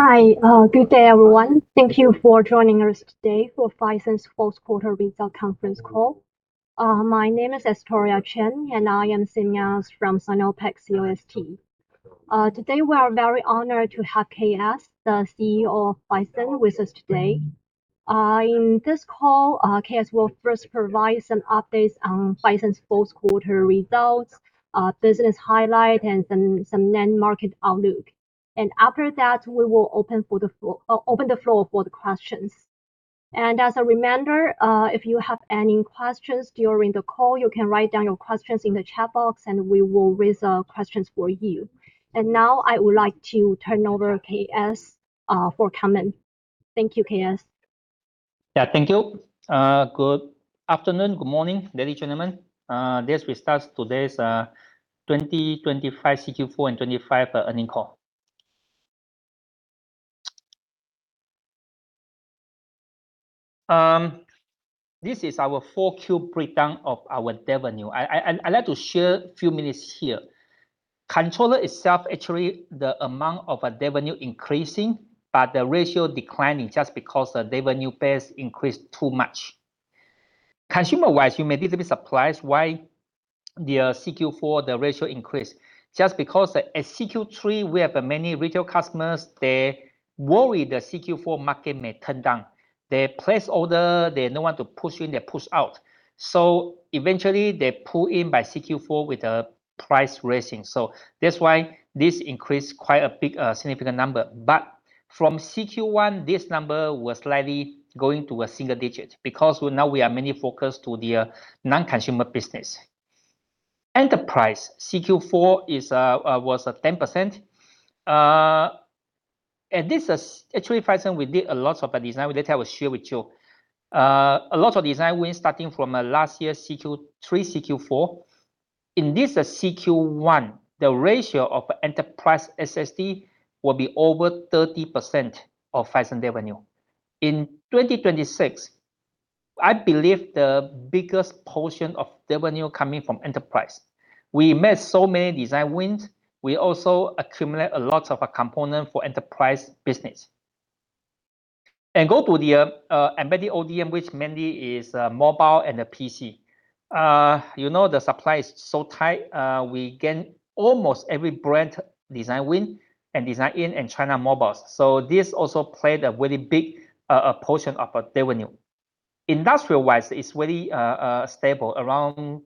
Hi. Good day, everyone. Thank you for joining us today for Phison's Fourth Quarter Result Conference Call. My name is Astoria Chen. I am CMIA from SinoPac Securities. Today we are very honored to have K.S., the CEO of Phison, with us today. In this call, K.S. will first provide some updates on Phison's fourth quarter results, business highlight and some net market outlook. After that, we will open the floor for the questions. As a reminder, if you have any questions during the call, you can write down your questions in the chat box and we will raise the questions for you. Now I would like to turn over K.S. for comment. Thank you, K.S. Yeah, thank you. Good afternoon, good morning, ladies, gentlemen. Let's we start today's 2025 CQ4 and 2025 earning call. This is our 4 cube breakdown of our revenue. I'd like to share a few minutes here. Controller itself, actually, the amount of revenue increasing, but the ratio declining just because the revenue base increased too much. Consumer-wise, you may little bit surprised why the CQ4, the ratio increased. Just because at CQ3 we have many retail customers, they worry the CQ4 market may turn down. They place order. They no want to push in, they push out. Eventually they pull in by CQ4 with a price raising. That's why this increased quite a big, significant number. From CQ1, this number will slightly going to a single digit, because we are now mainly focused to the non-consumer business. Enterprise CQ4 was at 10%. This is actually Phison, we did a lot of design win that I will share with you. A lot of design wins starting from last year, CQ3, CQ4. In this CQ1, the ratio of Enterprise SSD will be over 30% of Phison revenue. In 2026, I believe the biggest portion of revenue coming from Enterprise. We made so many design wins. We also accumulate a lot of a component for Enterprise business. Go to the Embedded ODM, which mainly is Mobile and the PC. You know, the supply is so tight, we gain almost every brand design win and design in and China mobiles. This also played a very big portion of our revenue. Industrial-wise, it's very stable, around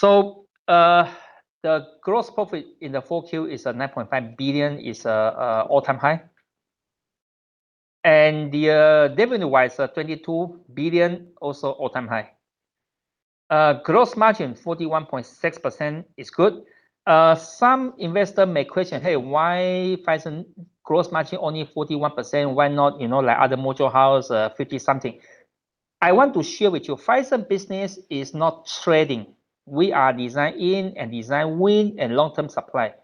The gross profit in the 4Q is 9.5 billion, is all-time high. The revenue-wise, 22 billion, also all-time high. Gross margin 41.6% is good. Some investor may question, "Hey, why Phison gross margin only 41%? Why not, you know, like other module house, 50 something?" I want to share with you, Phison business is not trading. We are design in and design win and long-term supply.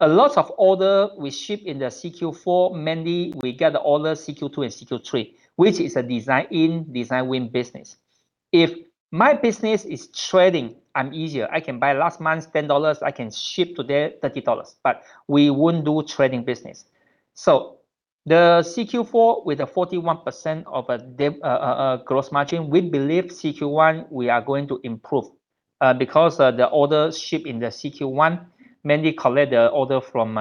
A lot of order we ship in the CQ4, mainly we get the order CQ2 and CQ3, which is a design in, design win business. If my business is trading, I'm easier. I can buy last month 10 dollars, I can ship today 30 dollars. But we wouldn't do trading business. The CQ4 with a 41% of the gross margin, we believe CQ1, we are going to improve because the orders ship in the CQ1 mainly collect the order from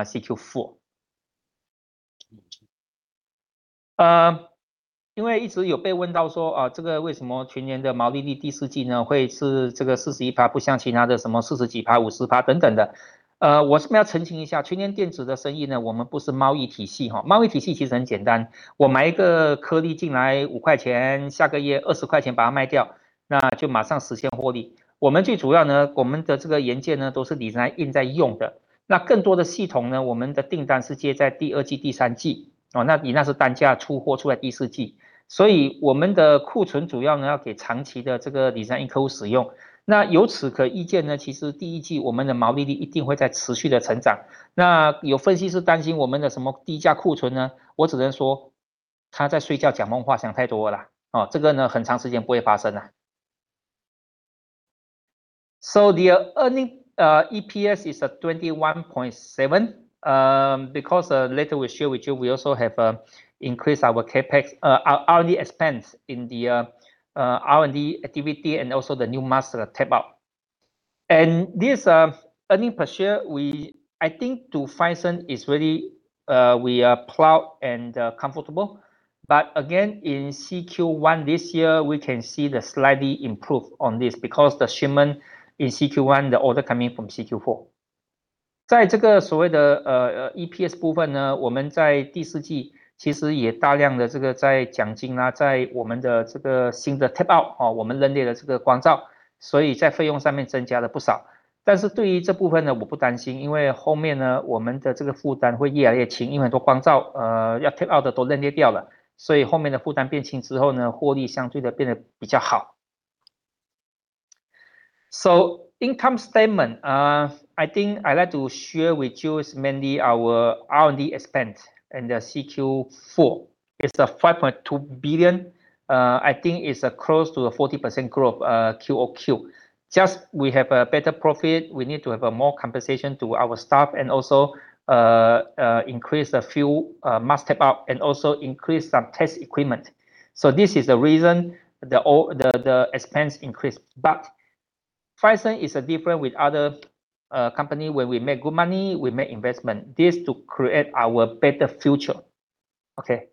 CQ4. The earning EPS is at 21.7, because later we'll share with you, we also have increased our CapEx, our R&D expense in the R&D activity and also the new master tape-out. And this earning per share, we, I think to Phison is very, we are proud and comfortable. Again, in CQ1 this year, we can see the slightly improve on this because the shipment in CQ1, the order coming from CQ4.在 这个所谓 的， EPS 部分 呢， 我们在第四季其实也大量的这个在奖金 啊， 在我们的这个新的 tap out， 我们认列了这个光 罩， 所以在费用上面增加了不少。但是对于这部分 呢， 我不担 心， 因为后面 呢， 我们的这个负担会越来越 轻， 因为很多光 罩， 要 tap out 的都认列掉 了， 所以后面的负担变轻之后 呢， 获利相对地变得比较好。Income statement, I think I like to share with you is mainly our R&D expense and the CQ4 is a 5.2 billion, I think it's close to a 40% growth, QoQ. Just we have a better profit, we need to have a more compensation to our staff and also increase a few mass step up and also increase some test equipment. This is the reason the all the expense increase. Phison is a different with other company. When we make good money, we make investment. This to create our better future. OK。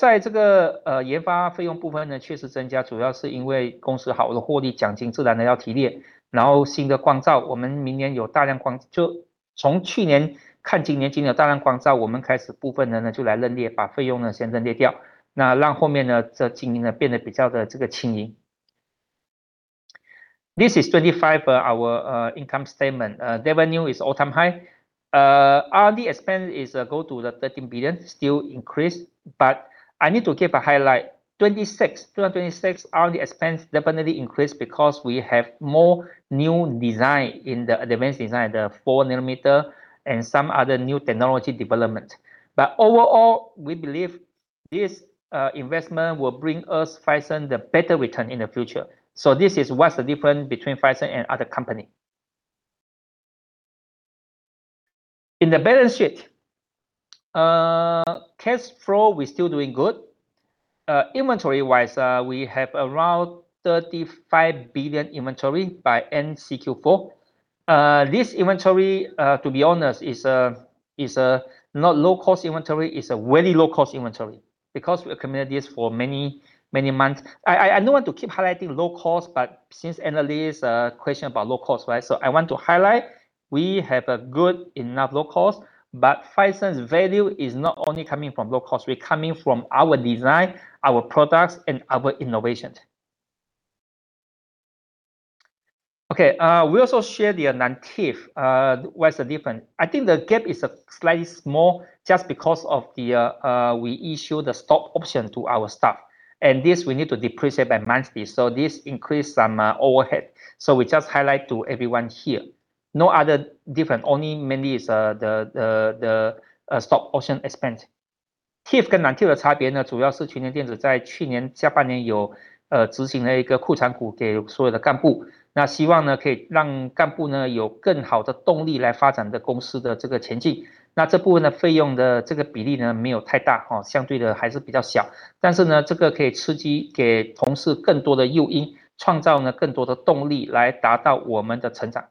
在这个研发费用部分呢确实增加，主要是因为公司好了，获利奖金自然地要提列，然后新的光罩，我们明年有大量光，就从去年看今年，今年有大量光罩，我们开始部分的人呢，就来认列，把费用呢先认列掉，那让后面的这经营呢，变得比较的这个轻盈。This is 2025 our income statement. Revenue is all-time high. R&D expense is go to the 13 billion, still increase, I need to give a highlight. 2026 R&D expense definitely increase because we have more new design in the advanced design, the 4nm and some other new technology development. Overall, we believe this investment will bring us, Phison, the better return in the future. This is what's the difference between Phison and other company. In the balance sheet, cash flow, we're still doing good. Inventory-wise, we have around 35 billion inventory by end CQ4. This inventory, to be honest, is a not low cost inventory, is a very low cost inventory because we accumulated this for many, many months. I don't want to keep highlighting low cost, but since analysts question about low cost, right? I want to highlight we have a good enough low cost, but Phison's value is not only coming from low cost, we're coming from our design, our products, and our innovations. Okay. We also share the non-TIFRS. What's the different? I think the gap is a slightly small just because of the, we issue the stock option to our staff, and this we need to depreciate by monthly. This increase some overhead. We just highlight to everyone here. No other different, only mainly is the stock option expense. TIF 跟 non-TIF 的差别 呢， 主要是 Phison Electronics 在去年下半年有执行了一个库存股给所有的干 部， 那希望 呢， 可以让干部 呢， 有更好的动力来发展这公司的这个前进，那这部分的费用的这个比例 呢， 没有太 大， 相对的还是比较 小， 这个可以刺激给同事更多的诱 因， 创造呢更多的动力来达到我们的成长。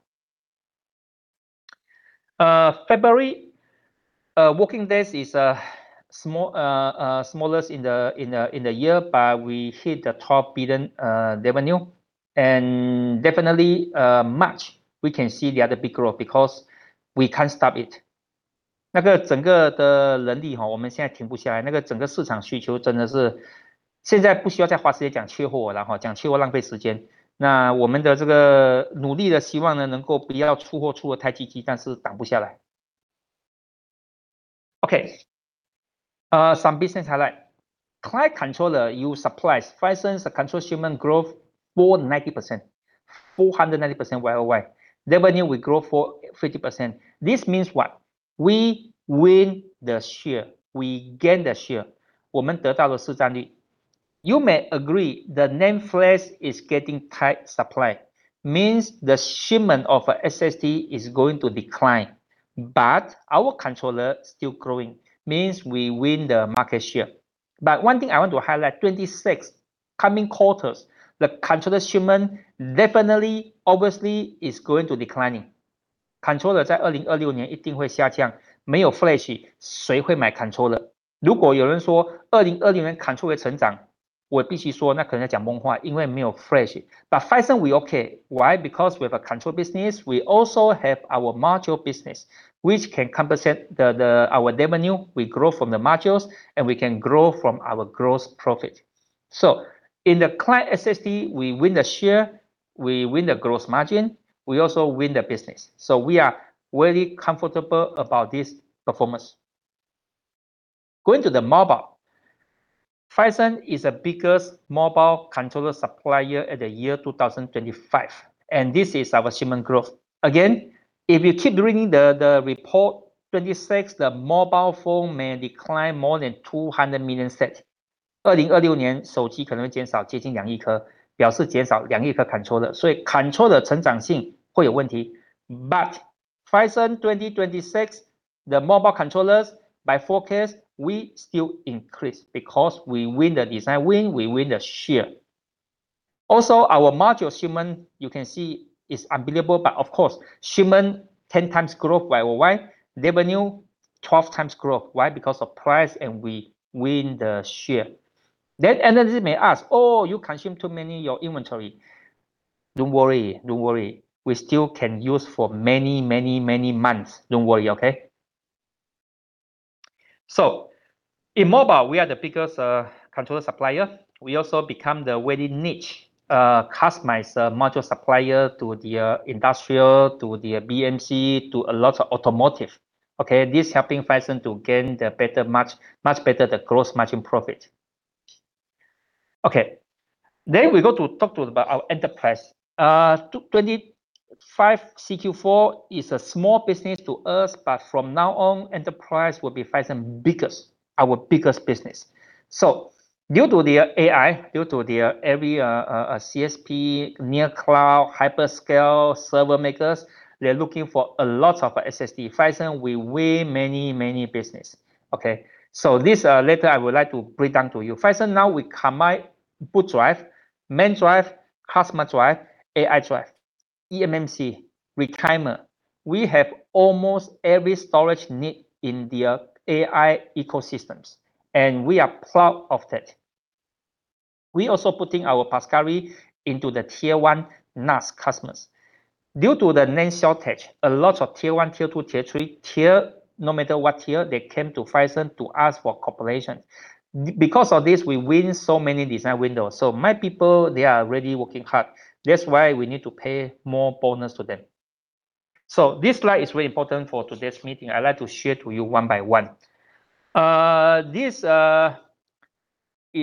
February working days is small, smallest in the year, we hit the top 1 billion revenue. Definitely March, we can see the other big growth because we can't stop it. 整个的人 力， 我们现在停不下 来， 整个市场需求真的是现在不需要再花时间讲缺货 了， 讲缺货浪费时间。我们的这个努力 呢， 希望呢能够不要出货出得太积 极， 挡不下来。Okay. Some business highlight. Client controller you supplies. Phison's control shipment growth 490% YoY. Revenue we grow 450%. This means what? We win the share. We gain the share。我们得到的市场里。You may agree the NAND flash is getting tight supply, means the shipment of SSD is going to decline, but our controller still growing, means we win the market share. One thing I want to highlight, 2026 coming quarters, the controller shipment definitely, obviously is going to declining。controller 在2026年一定会下降。没有 flash， 谁会买 controller？ 如果有人说2026年 controller 成 长， 我必须说那可能在讲梦 话， 因为没有 flash。Phison we okay. Why? We have a control business, we also have our module business, which can compensate our revenue. We grow from the modules, and we can grow from our gross profit. In the Client SSD, we win the share, we win the gross margin, we also win the business. We are very comfortable about this performance. Going to the Mobile. Phison is a biggest mobile controller supplier at the year 2025, and this is our shipment growth. If you keep reading the report, 2026, the mobile phone may decline more than 200 million sets. 2026年手机可能会减少接近2亿颗，表示减少2亿颗 controller. controller成长性会有问题. Phison 2026, the mobile controllers by forecast we still increase because we win the design win, we win the share. Our module shipment, you can see is unbelievable, but of course, shipment 10x growth YoY, revenue 12x growth. Why? Because of price and we win the share. Analysts may ask, "Oh, you consume too many your inventory." Don't worry, don't worry. We still can use for many, many, many months. Don't worry, okay? In Mobile, we are the biggest controller supplier. We also become the very niche, customized module supplier to the industrial, to the BNC, to a lot of Automotive. Okay? This helping Phison to gain the much better gross margin profit. Okay. We go to talk to about our enterprise. 2025 CQ4 is a small business to us, but from now on, enterprise will be Phison biggest, our biggest business. Due to the AI, due to the every CSP, near cloud, hyperscale server makers, they're looking for a lot of SSD. Phison, we win many business. Okay. This letter I would like to bring down to you. Phison now we combine boot drive, main drive, custom drive, AI drive, eMMC, retimer. We have almost every storage need in the AI ecosystems, and we are proud of that. We also putting our Pascari into the Tier 1 NAS customers. Due to the NAND shortage, a lot of Tier 1, Tier 2, Tier 3, no matter what tier, they came to Phison to ask for cooperation. Because of this, we win so many design wins. My people, they are really working hard. That's why we need to pay more bonus to them. This slide is very important for today's meeting. I'd like to share to you one by one. This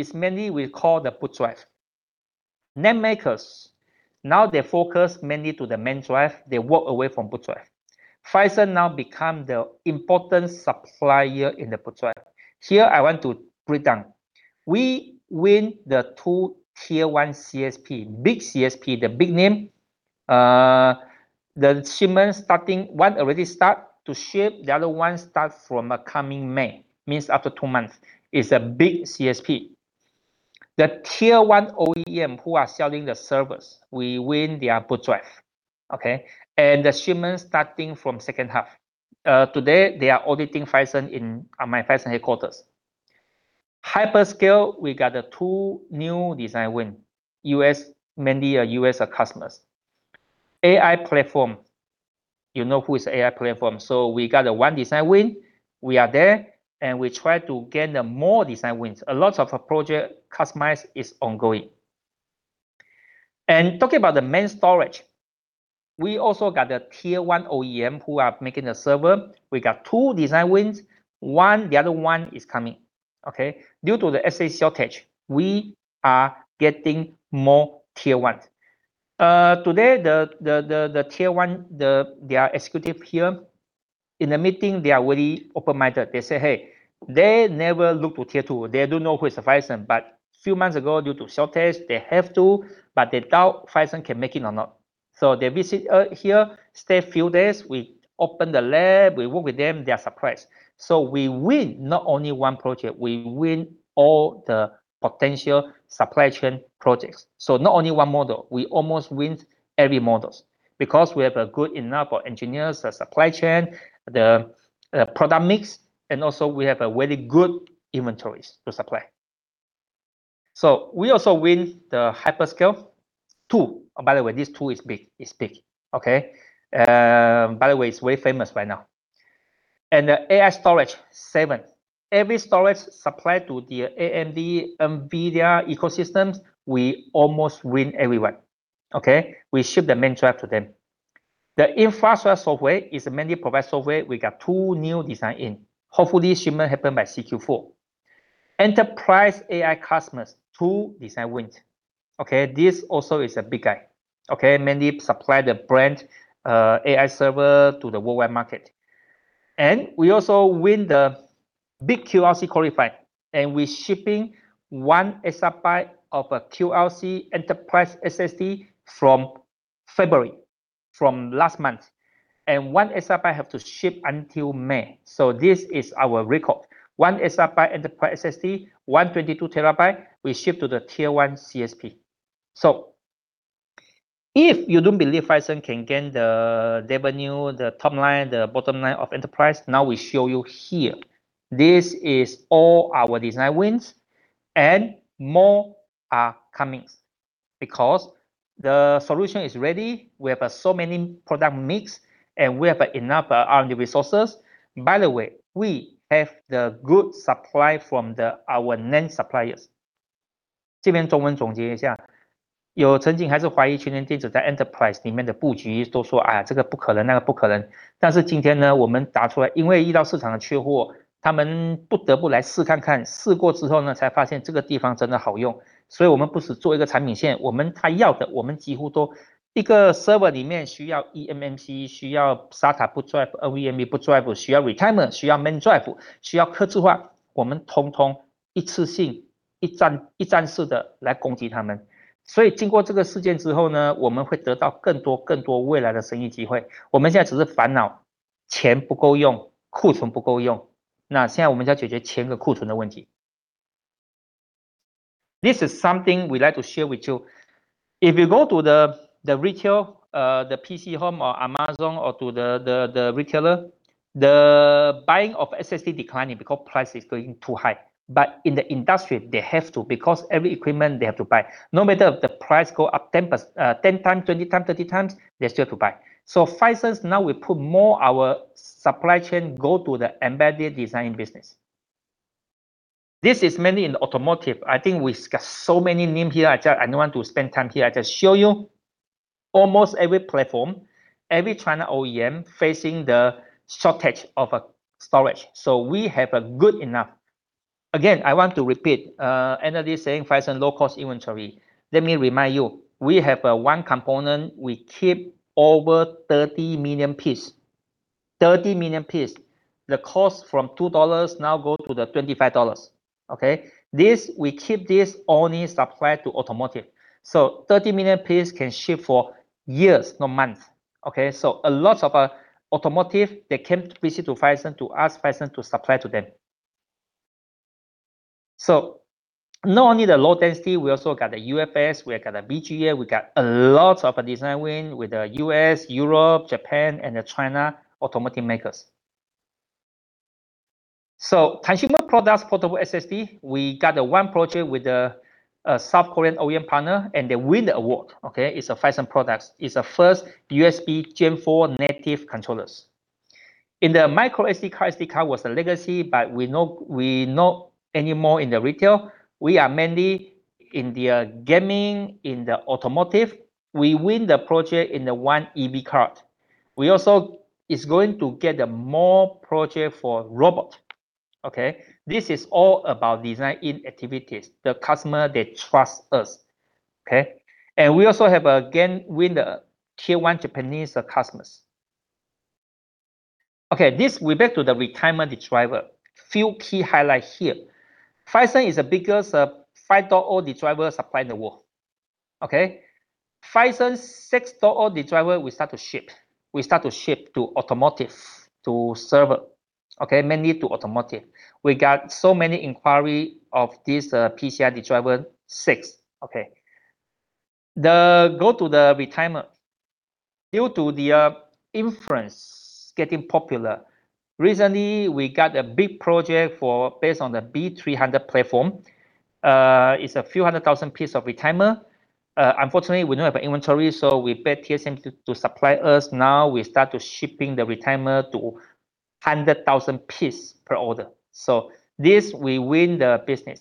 is mainly we call the boot drive. NAND makers, now they focus mainly to the main drive. They walk away from boot drive. Phison now become the important supplier in the boot drive. Here I want to break down. We win the 2 Tier 1 CSP, big CSP, the big name. The shipment starting, one already start to ship. The other one start from coming May. Means after two months. Is a big CSP. The Tier 1 OEM who are selling the servers, we win their boot drive. Okay? The shipment starting from second half. Today, they are auditing Phison in my Phison headquarters. Hyperscale, we got a two new design win. U.S., mainly, U.S. customers. AI platform. You know who is AI platform. We got a one design win. We are there, and we try to gain the more design wins. A lot of project customize is ongoing. Talking about the main storage, we also got a Tier 1 OEM who are making the server. We got two design wins. One, the other one is coming. Okay? Due to the SSD shortage, we are getting more Tier 1. Today, the Tier 1, their executive here, in the meeting, they are very open-minded. They say, hey, they never look to Tier 2. They don't know who is Phison, but few months ago, due to shortage, they have to, but they doubt Phison can make it or not. They visit here, stay a few days. We open the lab. We work with them. They are surprised. We win not only one project, we win all the potential supply chain projects. Not only one model, we almost win every models because we have a good enough engineers, the supply chain, the product mix, and also we have a very good inventories to supply. We also win the hyperscale, two. By the way, this two is big. Okay? By the way, it's very famous by now. The AI storage, 7. Every storage supplied to the AMD, NVIDIA ecosystems, we almost win everyone. Okay? We ship the main drive to them. The infrastructure software is mainly Progress Software. We got two new design win. Hopefully, shipment happen by Q4. Enterprise AI customers, two design wins. Okay, this also is a big guy. Okay? Mainly supply the brand AI server to the worldwide market. We also win the big QLC qualify, and we shipping one SI of a QLC Enterprise SSD from February, from last month, and 1 SI have to ship until May. This is our record. One SI Enterprise SSD, one 22 TB, we ship to the Tier 1 CSP. If you don't believe Phison can gain the revenue, the top line, the bottom line of enterprise, now we show you here. This is all our design wins, and more are coming because the solution is ready. We have so many product mix, and we have enough R&D resources. By the way, we have the good supply from our NAND suppliers. 这边中文总结一 下. 有曾经还是怀疑全联电子在 enterprise 里面的布 局, 都 说, 哎 呀, 这个不可 能, 那个不可 能. 今天 呢, 我们打出 来, 因为遇到市场的缺 货, 他们不得不来试看 看, 试过之后 呢, 才发现这个地方真的好 用. 我们不是做一个产品 线, 我们他要 的, 我们几乎 都... 一个 server 里面需要 eMMC， 需要 SATA boot drive， NVMe boot drive， 需要 retimer， 需要 main drive， 需要客制 化， 我们通通一次性一 站， 一站式的来攻击他们。经过这个事件之后 呢， 我们会得到更 多， 更多未来的生意机会。我们现在只是烦 恼， 钱不够 用， 库存不够用。现在我们在解决钱和库存的问题。This is something we like to share with you. If you go to the retail PChome or Amazon or to the retailer, the buying of SSD declining because price is going too high. In the industry they have to because every equipment they have to buy, no matter if the price go up 10x, 20x, 30x, they still to buy. Phison now we put more our supply chain go to the embedded design business. This is mainly in Automotive. I think we discuss so many names here. I don't want to spend time here. I just show you almost every platform, every China OEM facing the shortage of storage. We have a good enough. Again, I want to repeat Andy saying Phison low cost inventory. Let me remind you, we have one component, we keep over 30 million piece. The cost from 2 dollars now go to the 25 dollars. Okay? This, we keep this only supply to Automotive. 30 million piece can ship for years, not month. Okay? A lot of Automotive, they came visit to Phison to ask Phison to supply to them. Not only the low density, we also got the UFS, we got the BGA, we got a lot of design win with the U.S., Europe, Japan, and China Automotive makers. Consumer products, portable SSD, we got 1 project with a South Korean OEM partner, and they win the award, okay? It's a Phison product. It's the 1st U.S.B Gen4 native controllers. In the micro SD card, SD card was a legacy, we know anymore in the retail. We are mainly in the gaming, in the Automotive. We win the project in the 1 EV card. We also is going to get a more project for robot. Okay? This is all about design-in activities. The customer, they trust us. Okay? We also have again win the Tier 1 Japanese customers. Okay. This we're back to the retimer Re-driver. Few key highlights here. Phison is the biggest 5.0 Re-driver supply in the world. Okay? Phison 6.0 Re-driver we start to ship to Automotive, to server. Okay. Mainly to Automotive. We got so many inquiry of this PCIe Re-driver 6. Okay. The go to the retimer. Due to the inference getting popular, recently, we got a big project for based on the B300 platform. It's a few 100,000 piece of retimer. Unfortunately, we don't have inventory, we pay TSMC to supply us. Now we start to shipping the retimer to 100,000 piece per order. This, we win the business.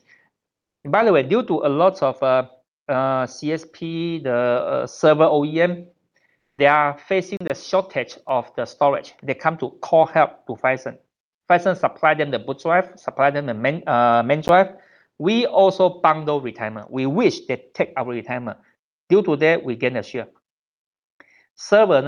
By the way, due to a lot of CSP, the server OEM, they are facing the shortage of the storage. They come to call help to Phison. Phison supply them the boot drive, supply them the main main drive. We also bundle retimer. We wish they take our retimer. Due to that, we gain a share. Server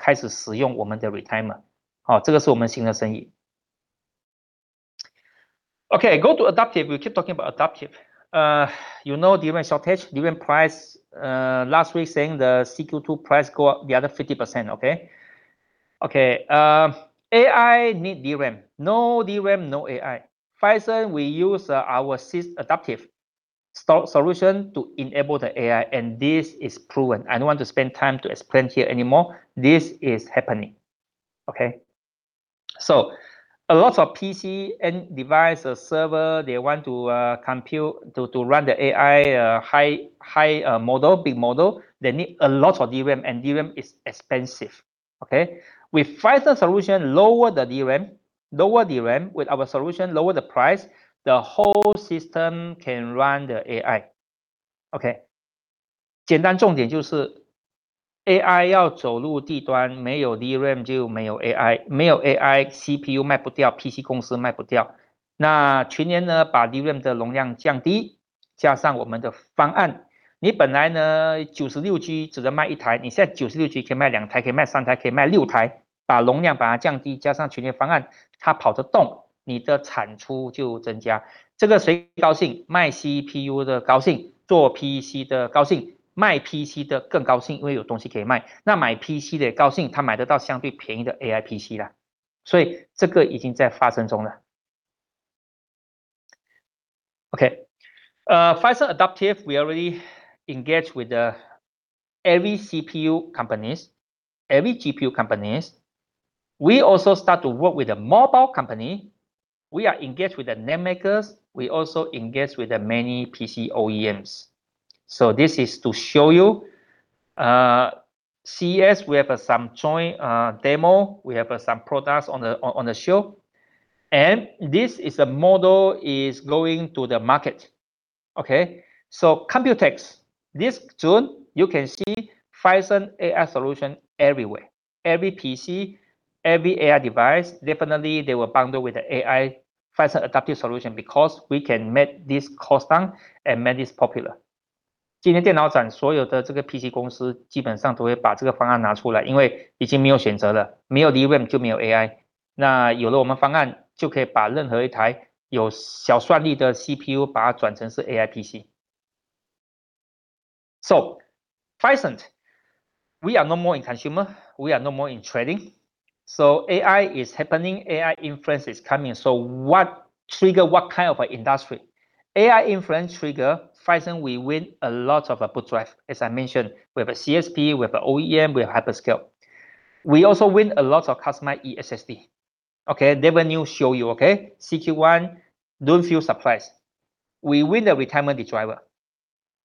SSD. Go to Adaptive. We keep talking about Adaptive. You know DRAM shortage, DRAM price, last week saying the CQ2 price go up the other 50%. AI need DRAM. No DRAM, no AI. Phison, we use our aiDAPTIV+e so-solution to enable the AI, and this is proven. I don't want to spend time to explain here anymore. This is happening. A lot of PC end device, server, they want to compute to run the AI big model. They need a lot of DRAM, and DRAM is expensive, okay? With Phison solution, lower the DRAM. Lower DRAM with our solution, lower the price. The whole system can run the AI. Okay. AI CPU PC. Okay. Phison Adaptive, we already engage with the every CPU companies, every GPU companies. We also start to work with the mobile company. We are engaged with the name makers. We also engage with the many PC OEMs. This is to show you, CES, we have some joint demo. We have some products on the show, and this is a model is going to the market. Okay. COMPUTEX this June, you can see Phison AI solution everywhere. Every PC, every AI device, definitely they will bundle with the AI Phison Adaptive solution because we can make this cost down and make this popular. 那有了我们方 案， 就可以把任何一台有小算力的 CPU 把它转成是 AI PC。Phison, we are no more in consumer, we are no more in trading. AI is happening, AI inference is coming. What trigger what kind of industry? AI inference trigger Phison, we win a lot of a boot drive. As I mentioned, we have a CSP, we have a OEM, we have hyperscale. We also win a lot of customized eSSD. OK, revenue show you, OK, CQ1 don't feel surprised. We win the retimer driver,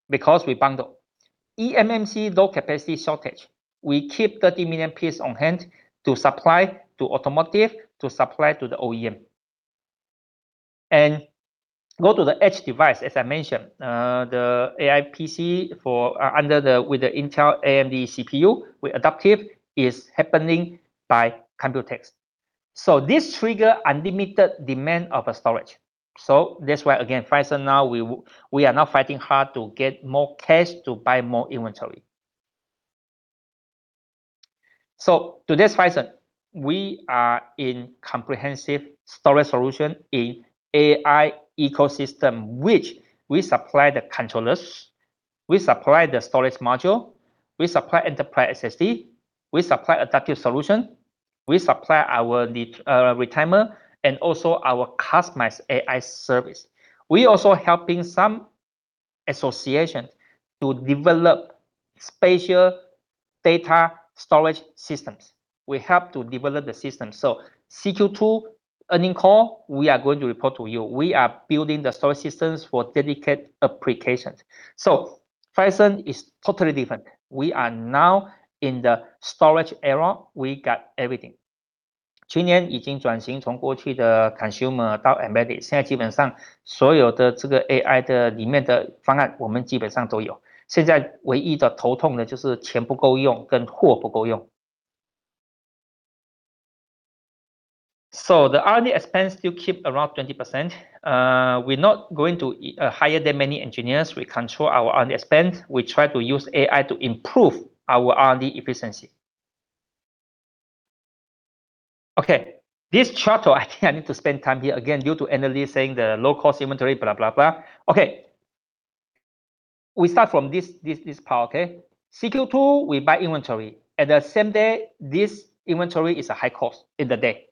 because we bundle. eMMC low capacity shortage, we keep 30 million pieces on hand to supply to Automotive, to supply to the OEM. Go to the edge device, as I mentioned, the AI PC for under the with the Intel AMD CPU with Adaptive is happening by COMPUTEX. This trigger unlimited demand of a storage. That's why again, Phison now we are now fighting hard to get more cash to buy more inventory. To this Phison, we are in comprehensive storage solution in AI ecosystem, which we supply the controllers, we supply the storage module, we supply Enterprise SSD, we supply Adaptive solution, we supply our retimer and also our customized AI service. We also helping some association to develop spatial data storage systems. We help to develop the system. CQ2 earning call, we are going to report to you. We are building the storage systems for dedicated applications. Phison is totally different. We are now in the storage era, we got everything. 去年已经转型从过去的 consumer 到 embedded， 现在基本上所有的这个 AI 的里面的方案我们基本上都 有， 现在唯一的头痛的就是钱不够用跟货不够用。The R&D expense still keep around 20%. We're not going to hire that many engineers. We control our R&D expense. We try to use AI to improve our R&D efficiency. OK, this charter I need to spend time here again due to analysts saying the low cost inventory bla bla bla. OK, we start from this part, OK. CQ2, we buy inventory. At the same day, this inventory is a high cost in the day.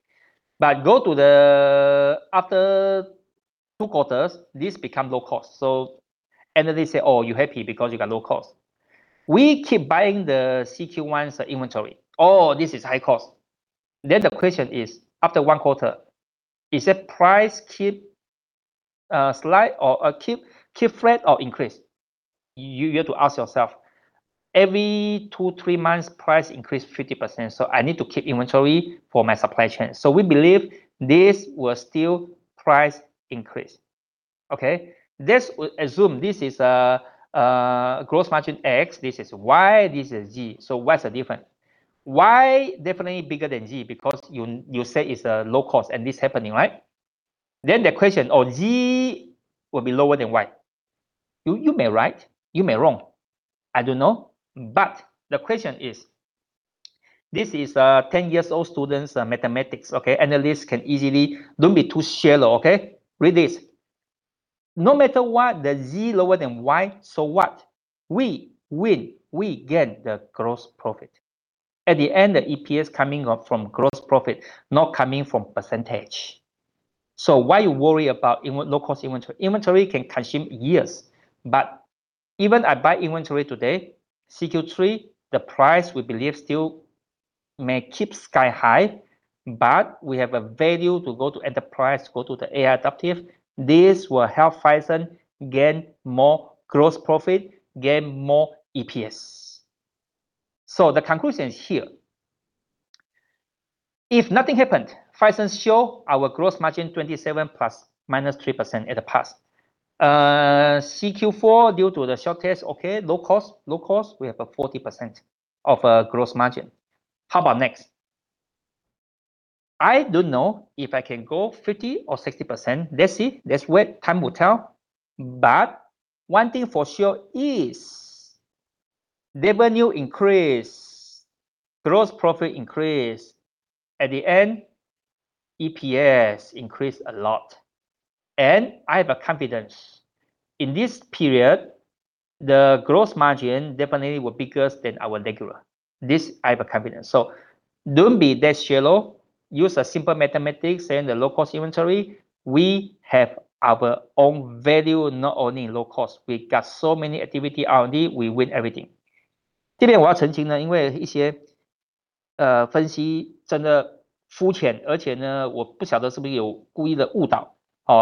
Go to the after two quarters, this become low cost. Analysts say, "Oh, you happy because you got low cost." We keep buying the CQ1's inventory. "Oh, this is high cost." The question is, after one quarter, is that price keep slight or keep flat or increase? You got to ask yourself. Every two, three months price increase 50%, I need to keep inventory for my supply chain. We believe this will still price increase. OK. This assume this is gross margin X, this is Y, this is Z. What's the different? Y definitely bigger than Z because you say it's a low cost and this happening, right? Z will be lower than Y. You may right, you may wrong, I don't know. The question is, this is a 10 years old student's mathematics, OK? Analysts can easily don't be too shallow, OK? Read this. No matter what, the Z lower than Y, so what? We win, we gain the gross profit. At the end, the EPS coming up from gross profit, not coming from percentage. Why you worry about low cost inventory? Inventory can consume years. Even I buy inventory today, CQ3, the price we believe still may keep sky high, but we have a value to go to enterprise, go to the AI adaptive. This will help Phison gain more gross profit, gain more EPS. The conclusion is here. If nothing happened, Phison show our gross margin 27 ±3% at the past. CQ4 due to the shortage, low cost, we have a 40% of gross margin. How about next? I don't know if I can go 50% or 60%. Let's see, let's wait, time will tell. One thing for sure is revenue increase, gross profit increase. At the end, EPS increase a lot. I have a confidence. In this period, the gross margin definitely will be bigger than our regular. This I have a confidence. Don't be that shallow. Use a simple mathematics and the low cost inventory. We have our own value, not only low cost. We got so many activity R&D, we win everything. 这边我要澄清 呢， 因为一些分析真的肤 浅， 而且 呢， 我不晓得是不是有故意的误导，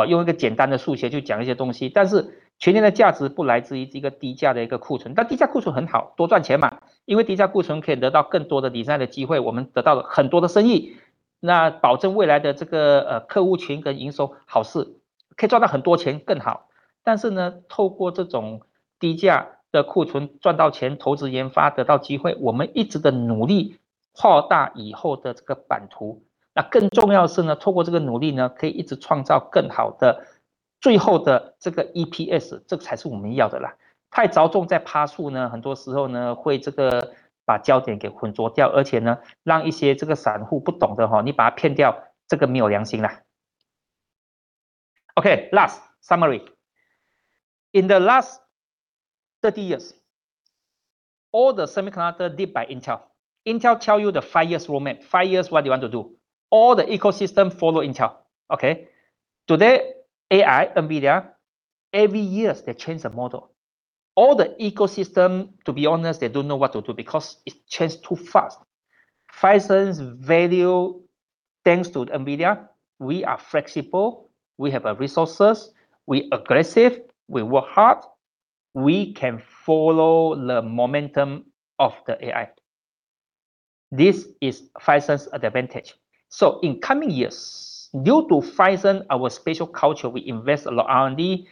用一个简单的数学去讲一些东 西， 但是全年的价值不来自于一个低价的一个库 存， 但低价库存很 好， 多赚钱 嘛， 因为低价库存可以得到更多的 design 的机 会， 我们得到了很多的生 意， 那保证未来的这个客户群跟营 收， 好事。可以赚到很多 钱， 更好。但是 呢， 透过这种低价的库存赚到 钱， 投资研 发， 得到机 会， 我们一直地努力扩大以后的这个版图，那更重要的是 呢， 透过这个努力 呢， 可以一直创造更好的最后的这个 EPS， 这才是我们要的啦。太着重在趴数 呢， 很多时候 呢， 会这个把焦点给混浊 掉， 而且 呢， 让一些这个散户不懂 的， 你把他骗 掉， 这个没有良心啦。OK, last, summary. In the last 30 years, all the semiconductor lead by Intel. Intel tell you the five years roadmap, five years what they want to do. All the ecosystem follow Intel. OK, today, AI, NVIDIA, every years they change the model. All the ecosystem, to be honest, they don't know what to do, because it changes too fast. Phison's value, thanks to NVIDIA, we are flexible, we have resources, we aggressive, we work hard, we can follow the momentum of the AI. This is Phison's advantage. In coming years, due to Phison our special culture, we invest a lot R&D,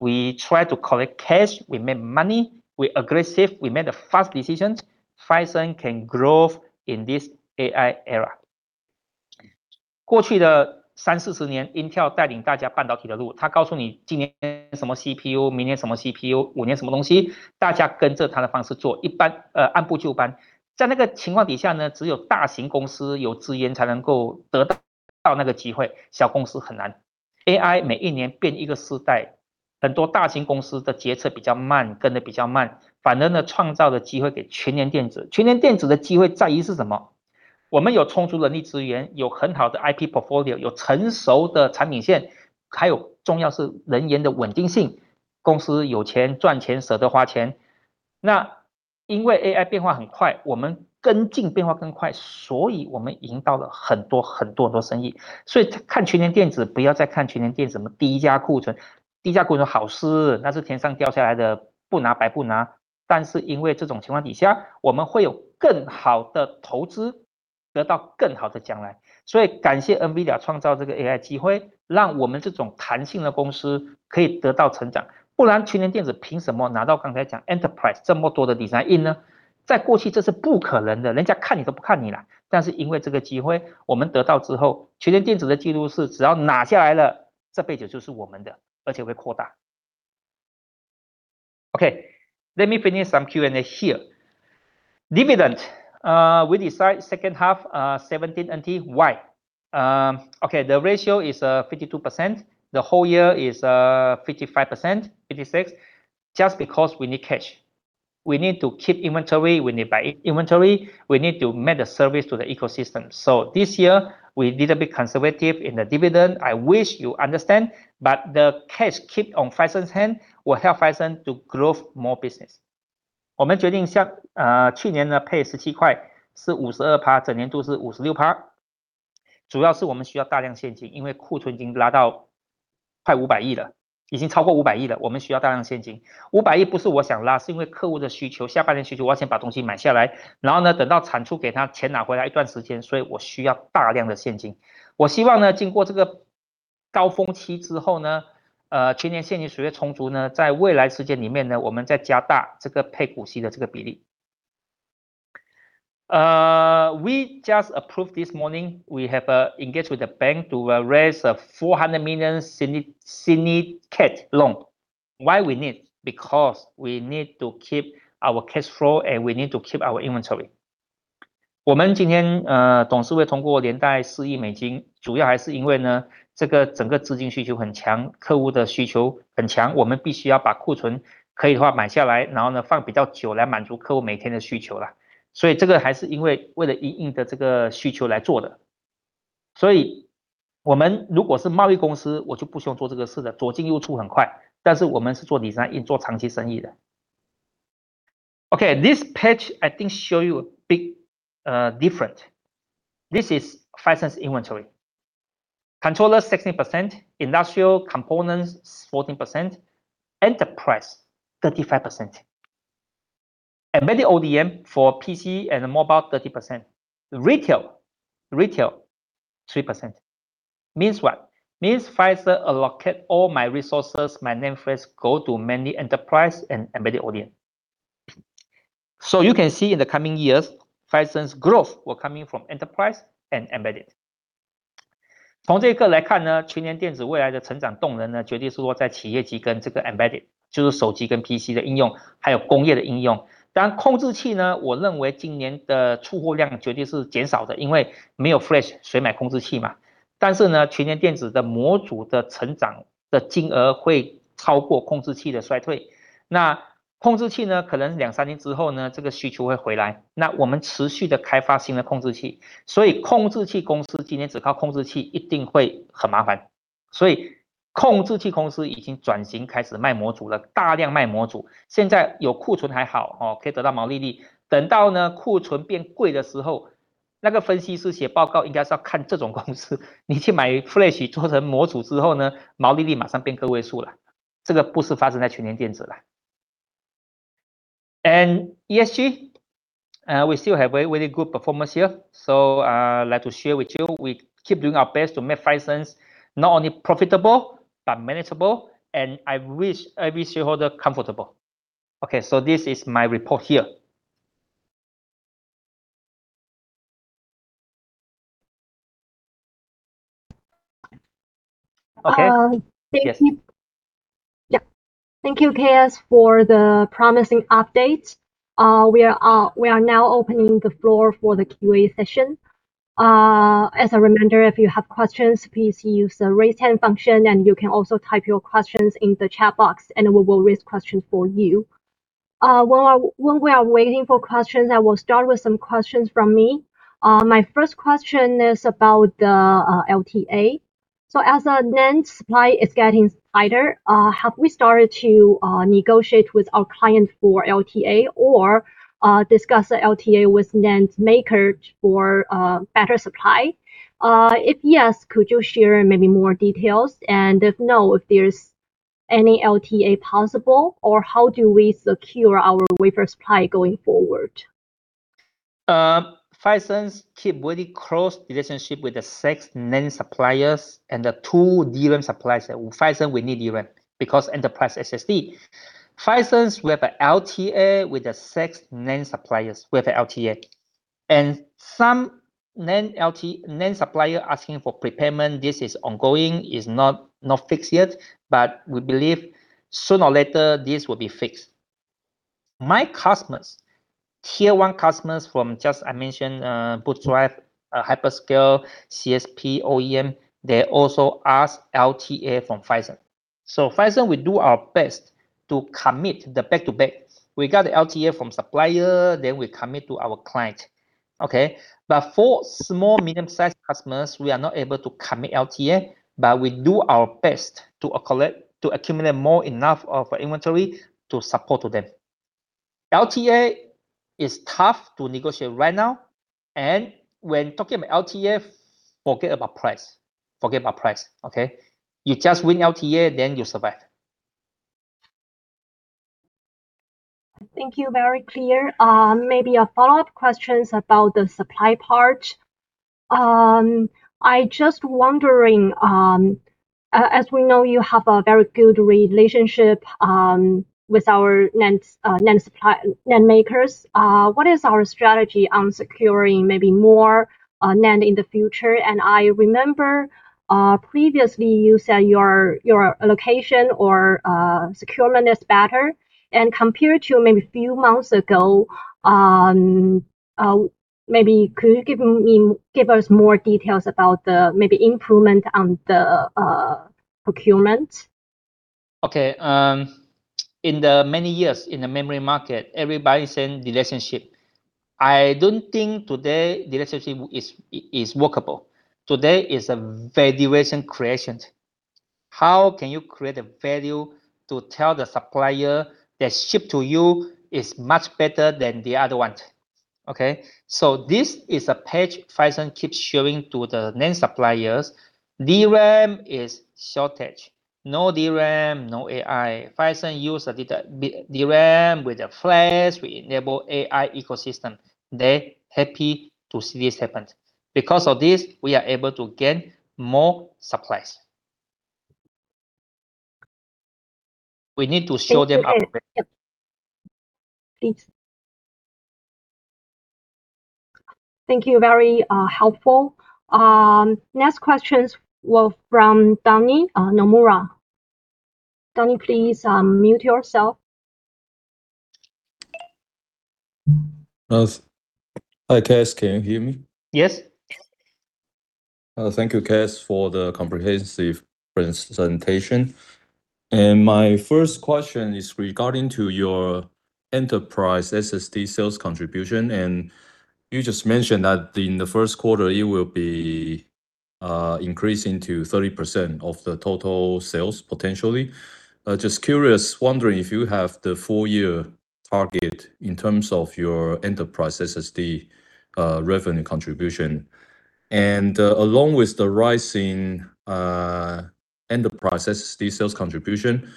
we try to collect cash, we make money, we aggressive, we make the fast decisions, Phison can growth in this AI era. 过去的三四十 年， Intel 带领大家半导体的 路， 它告诉你今年什么 CPU， 明年什么 CPU， 五年什么东 西， 大家跟着它的方式 做， 一般按部就班。在那个情况底下 呢， 只有大型公司有资源才能够得到那个机 会， 小公司很难。AI 每一年变一个世 代， 很多大型公司的决策比较 慢， 跟得比较 慢， 反而 呢， 创造了机会给 Phison Electronics。Phison Electronics 的机会在于是什 么？ 我们有充足人力资 源， 有很好的 IP portfolio， 有成熟的产品 线， 还有重要是人员的稳定性。公司有 钱， 赚 钱， 舍得花钱。那因为 AI 变化很 快， 我们跟进变化更 快， 所以我们赢到了很多很多很多生意。所以看 Phison Electronics， 不要再看 Phison Electronics 第一家库 存， 第一家库存好 是， 那是天上掉下来 的， 不拿白不拿。但是因为这种情况底 下， 我们会有更好的投 资， 得到更好的将来。所以感谢 NVIDIA 创造这个 AI 机 会， 让我们这种弹性的公司可以得到成长。不然 Phison Electronics 凭什么拿到刚才讲 enterprise 这么多的 design in 呢？ 在过去这是不可能 的， 人家看你都不看你啦。但是因为这个机 会， 我们得到之 后， Phison Electronics 的记录是只要拿下来 了， 这辈子就是我们 的， 而且会扩大。OK, let me finish some Q&A here. Dividend, we decide second half, 17.20. Why? OK, the ratio is 52%, the whole year is 55%, 56%, just because we need cash. We need to keep inventory, we need buy inventory, we need to make the service to the ecosystem. This year we did a bit conservative in the dividend, I wish you understand, but the cash keep on Phison's hand, will help Phison to growth more business. 我们决定下，去年呢，配 TWD 17，是 52%，整年度是 56%，主要是我们需要大量现金，因为库存已经拉到快 TWD 50 billion 了，已经超过 TWD 50 billion 了，我们需要大量现金。TWD 50 billion 不是我想拉，是因为客户的需求，下半年的需求，我要先把东西买下来，然后呢，等到产出给他，钱拿回来一段时间，所以我需要大量的现金。我希望呢，经过这个高峰期之后呢，Phison 现金水准充足呢，在未来时间里面呢，我们再加大这个配股息的这个比例。We just approved this morning, we have engaged with the bank to raise a TWD 400 million syndicated loan. Why we need? We need to keep our cash flow and we need to keep our inventory. 我们今 天， 董事会通过连贷 TWD 400 million 美 金， 主要还是因为 呢， 这个整个资金需求很 强， 客户的需求很 强， 我们必须要把库存可以的话买下 来， 然后呢放比较久来满足客户每天的需求啦。这个还是因为为了因应的这个需求来做的。我们如果是贸易公 司， 我就不需要做这个事 的， 左进右出很 快， 但是我们是做 design in， 做长期生意的。OK, this page I think show you a big, different. This is Phison's inventory. Controller 60%, Industrial components 14%, enterprise 35%. Embedded ODM for PC and mobile 30%. Retail, 3%. Means what? Means Phison allocate all my resources, my manforce go to many enterprise and embedded ODM. You can see in the coming years, Phison's growth will coming from enterprise and embedded. 从这个来看 呢， 群联电子未来的成长动能 呢， 绝对是落在企业级跟这个 embedded， 就是手机跟 PC 的应 用， 还有工业的应用。当然控制器 呢， 我认为今年的出货量绝对是减少 的， 因为没有 flash 谁买控制器嘛。但是 呢， 群联电子的模组的成长的金额会超过控制器的衰退。那控制器 呢， 可能两三年之后 呢， 这个需求会回 来， 那我们持续地开发新的控制器。所以控制器公司今天只靠控制器一定会很麻烦。所以控制器公司已经转型开始卖模组 了， 大量卖模 组， 现在有库存还好 哦， 可以得到毛利率。等到 呢， 库存变贵的时 候， 那个分析师写报告应该是要看这种公 司， 你去买 flash 做成模组之后 呢， 毛利率马上变个位数了。这个不是发生在群联电子啦。ESG, we still have very, very good performance here. I'd like to share with you, we keep doing our best to make Phison not only profitable, but manageable, and I wish every shareholder comfortable. This is my report here. Okay. Thank you. Thank you, K.S., for the promising update. We are now opening the floor for the QA session. As a reminder, if you have questions, please use the Raise Hand function, and you can also type your questions in the chat box, and we will raise questions for you. While we are waiting for questions, I will start with some questions from me. My first question is about the LTA. As our NAND supply is getting tighter, have we started to negotiate with our client for LTA or discuss the LTA with NAND maker for better supply? If yes, could you share maybe more details? If no, if there's any LTA possible, or how do we secure our wafer supply going forward? Phison keep very close relationship with the six NAND suppliers and the two DRAM suppliers. Phison, we need DRAM because Enterprise SSD. Phison, we have a LTA with the six NAND suppliers. We have a LTA. Some NAND supplier asking for prepayment. This is ongoing. It's not fixed yet, but we believe sooner or later this will be fixed. My customers, tier one customers from just I mentioned, boot drive, hyperscale, CSP, OEM, they also ask LTA from Phison. Phison, we do our best to commit the back to back. We got the LTA from supplier, then we commit to our client. Okay? For small, medium-sized customers, we are not able to commit LTA, but we do our best to accumulate more enough of inventory to support to them. LTA is tough to negotiate right now. When talking about LTA, forget about price. Forget about price, okay? You just win LTA. You survive. Thank you. Very clear. Maybe a follow-up questions about the supply part. I just wondering, as we know, you have a very good relationship, with our NAND supply, NAND makers. What is our strategy on securing maybe more, NAND in the future? I remember, previously you said your allocation or, securement is better. Compared to maybe a few months ago, maybe could you give us more details about the maybe improvement on the procurement? Okay. In the many years in the memory market, everybody saying relationship. I don't think today relationship is workable. Today is a value creation. How can you create a value to tell the supplier that ship to you is much better than the other one? Okay? This is a page Phison keeps showing to the NAND suppliers. DRAM is shortage. No DRAM, no AI. Phison use DRAM with a flash, we enable AI ecosystem. They happy to see this happen. Because of this, we are able to get more supplies. We need to show them our- Thank you. Yep. Please. Thank you. Very helpful. Next questions from Donnie, Nomura. Danny, please, unmute yourself. Yes. Hi, K.S. Can you hear me? Yes. Thank you, K.S., for the comprehensive presentation. My first question is regarding to your Enterprise SSD sales contribution, and you just mentioned that in the first quarter, it will be increasing to 30% of the total sales potentially. Just curious, wondering if you have the full year target in terms of your Enterprise SSD revenue contribution. Along with the rising Enterprise SSD sales contribution,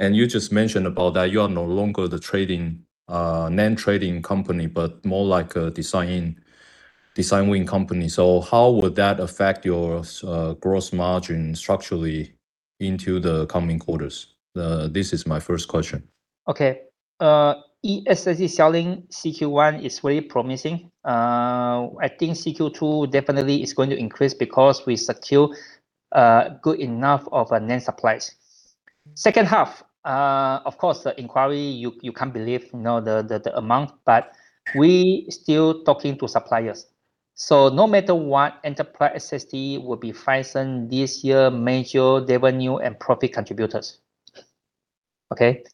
and you just mentioned about that you are no longer the trading NAND trading company, but more like a design win company. How would that affect your gross margin structurally into the coming quarters? This is my first question. Okay. SSD selling CQ1 is very promising. I think CQ2 definitely is going to increase because we secure good enough of NAND supplies. Second half, of course, the inquiry you can't believe, you know, the amount, we still talking to suppliers. No matter what, Enterprise SSD will be Phison this year major revenue and profit contributors. Okay?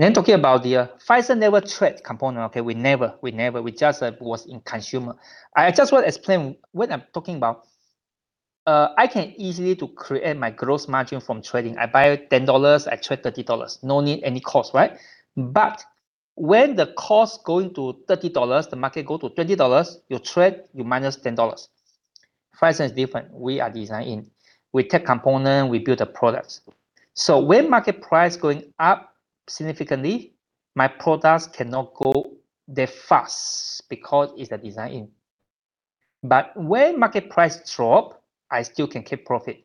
Talking about the Phison never trade component. We never. We just was in consumer. I just want to explain what I'm talking about. I can easily to create my gross margin from trading. I buy it 10 dollars, I trade 30 dollars. No need any cost, right? When the cost going to 30 dollars, the market go to 20 dollars, you trade, you minus 10 dollars. Phison is different. We are design. We take component, we build a product. When market price going up significantly, my products cannot go that fast because it's a design. When market price drop, I still can keep profit.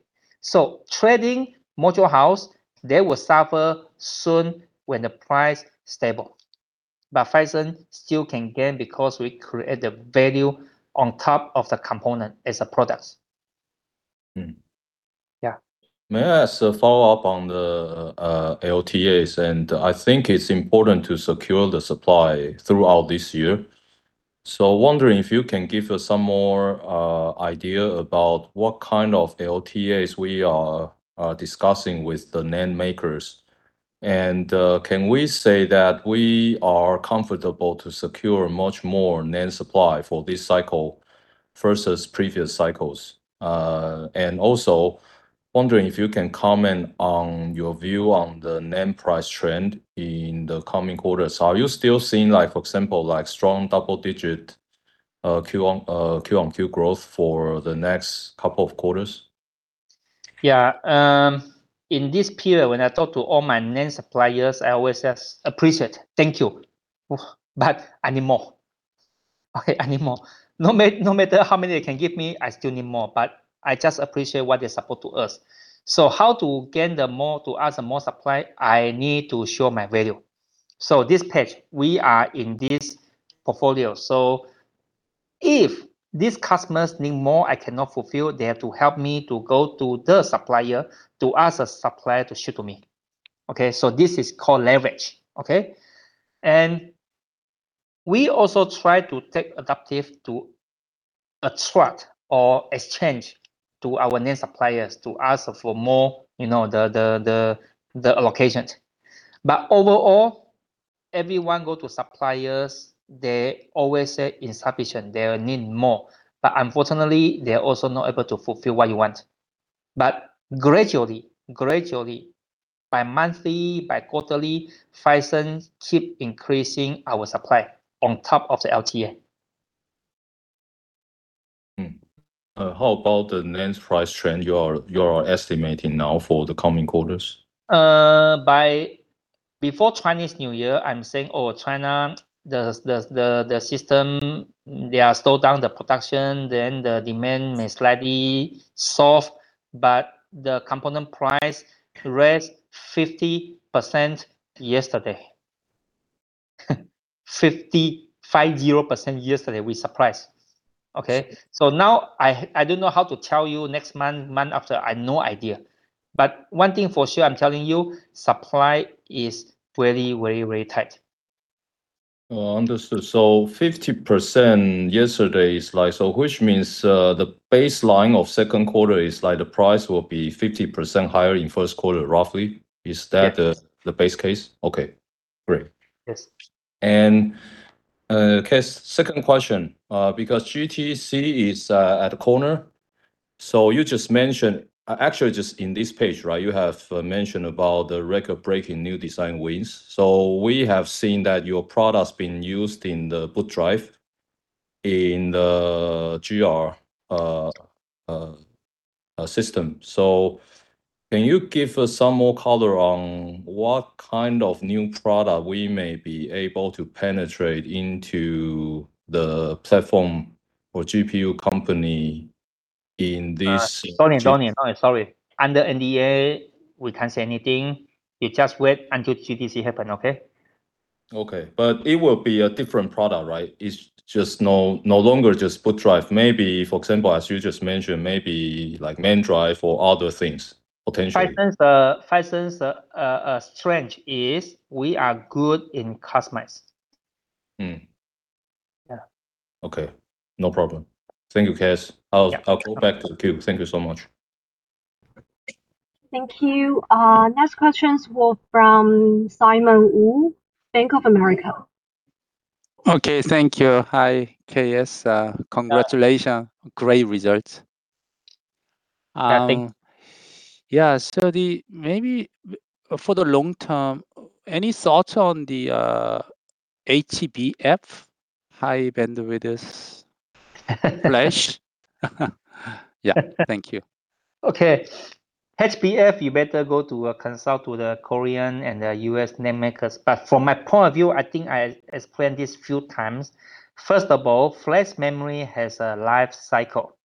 Trading module house, they will suffer soon when the price stable. Phison still can gain because we create the value on top of the component as a product. Mm. Yeah. May I ask a follow-up on the LTAs. I think it's important to secure the supply throughout this year. Wondering if you can give us some more idea about what kind of LTAs we are discussing with the NAND makers. Can we say that we are comfortable to secure much more NAND supply for this cycle versus previous cycles? Also wondering if you can comment on your view on the NAND price trend in the coming quarters. Are you still seeing like, for example, like, strong double-digit Q-on-Q growth for the next couple of quarters? In this period, when I talk to all my NAND suppliers, I always says, "Appreciate. Thank you." I need more. Okay, I need more. No matter how many they can give me, I still need more, but I just appreciate what they support to us. How to gain the more to us and more supply, I need to show my value. This page, we are in this portfolio. If these customers need more, I cannot fulfill, they have to help me to go to the supplier to ask the supplier to ship to me. Okay, so this is called leverage, okay. We also try to take adaptive to attract or exchange to our NAND suppliers to ask for more, you know, the allocations. Overall, everyone go to suppliers, they always say insufficient. They need more. Unfortunately, they're also not able to fulfill what you want. Gradually, by monthly, by quarterly, Phison keep increasing our supply on top of the LTA. How about the NAND price trend you are estimating now for the coming quarters? Before Chinese New Year, I'm saying, China, the system, they are slow down the production, the demand may slightly soft, the component price raised 50% yesterday. 50%, 5-0%, yesterday. We surprised, okay? Now I don't know how to tell you next month after. I no idea. One thing for sure I'm telling you, supply is very, very, very tight. Oh, understood. 50% yesterday is like, which means, the baseline of second quarter is like the price will be 50% higher in first quarter, roughly. Is that? Yes the base case? Okay. Great. Yes. KS, second question. Because GTC is at the corner, you just mentioned, actually just in this page, right, you have mentioned about the record-breaking new design wins. We have seen that your product's been used in the boot drive in the GR system. Can you give us some more color on what kind of new product we may be able to penetrate into the platform or GPU company? Sorry, Donnie. Sorry. Under NDA, we can't say anything. You just wait until GTC happen, okay? Okay. It will be a different product, right? It's just no longer just boot drive. Maybe, for example, as you just mentioned, maybe like main drive or other things, potentially. Phison's strength is we are good in customize. Hmm. Yeah. Okay. No problem. Thank you, K.S. Yeah. I'll go back to the queue. Thank you so much. Thank you. Next question's from Simon Woo, Bank of America. Okay. Thank you. Hi, K.S. Congratulations. Yeah. Great results. Thank you. Yeah. Maybe for the long term, any thoughts on the HBF, flash? Yeah. Thank you. Okay. HBF, you better go to consult with the Korean and the U.S. NAND makers. From my point of view, I think I explained this a few times. First of all, flash memory has a life cycle.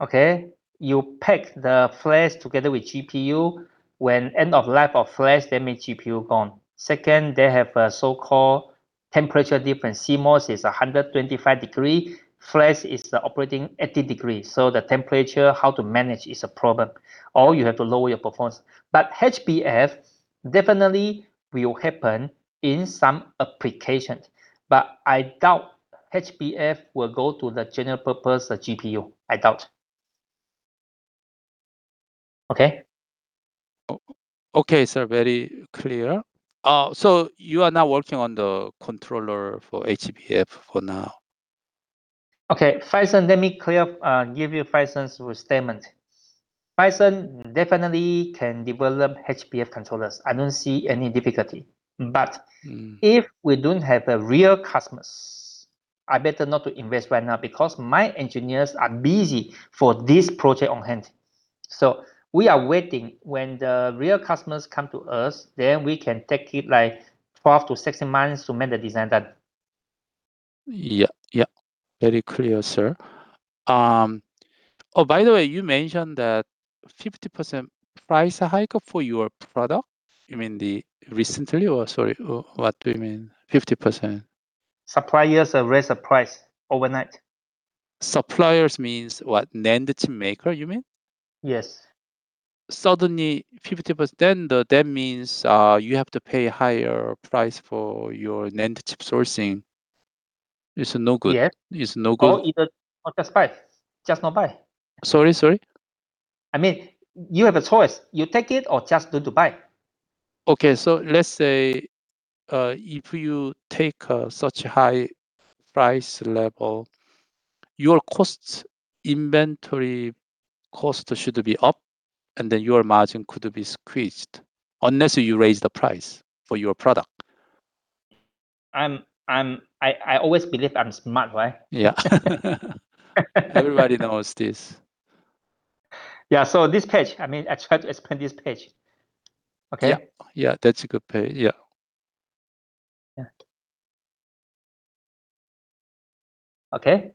Okay? You pack the flash together with GPU. When end of life of flash, that means GPU gone. Second, they have a so-called temperature difference. CMOS is 125 degree. Flash is operating 80 degrees. The temperature, how to manage is a problem, or you have to lower your performance. HBF definitely will happen in some applications, but I doubt HBF will go to the general purpose of GPU. I doubt. Okay? Okay, sir. Very clear. You are now working on the controller for HBF for now? Okay. Phison, let me clear up, give you Phison's statement. Phison definitely can develop HBF controllers. I don't see any difficulty- Mm if we don't have the real customers, I better not to invest right now because my engineers are busy for this project on hand. We are waiting. When the real customers come to us, then we can take it, like, 12-16 months to make the design that- Yeah. Yeah. Very clear, sir. By the way, you mentioned that 50% price hike for your product. Sorry, what do you mean 50%? Suppliers have raised the price overnight. Suppliers means what? NAND chip maker you mean? Yes. Suddenly 50%, that means you have to pay higher price for your NAND chip sourcing. It's no good. Yeah. It's no good. Either not just buy, just not buy. Sorry, sorry? I mean, you have a choice. You take it or just don't buy. Okay. Let's say, if you take such high price level, your costs, inventory cost should be up, and then your margin could be squeezed. Unless you raise the price for your product. I always believe I'm smart, right? Yeah. Everybody knows this. Yeah. This page, I mean, I try to explain this page. Okay? Yeah. Yeah, that's a good page. Yeah. Yeah. Okay.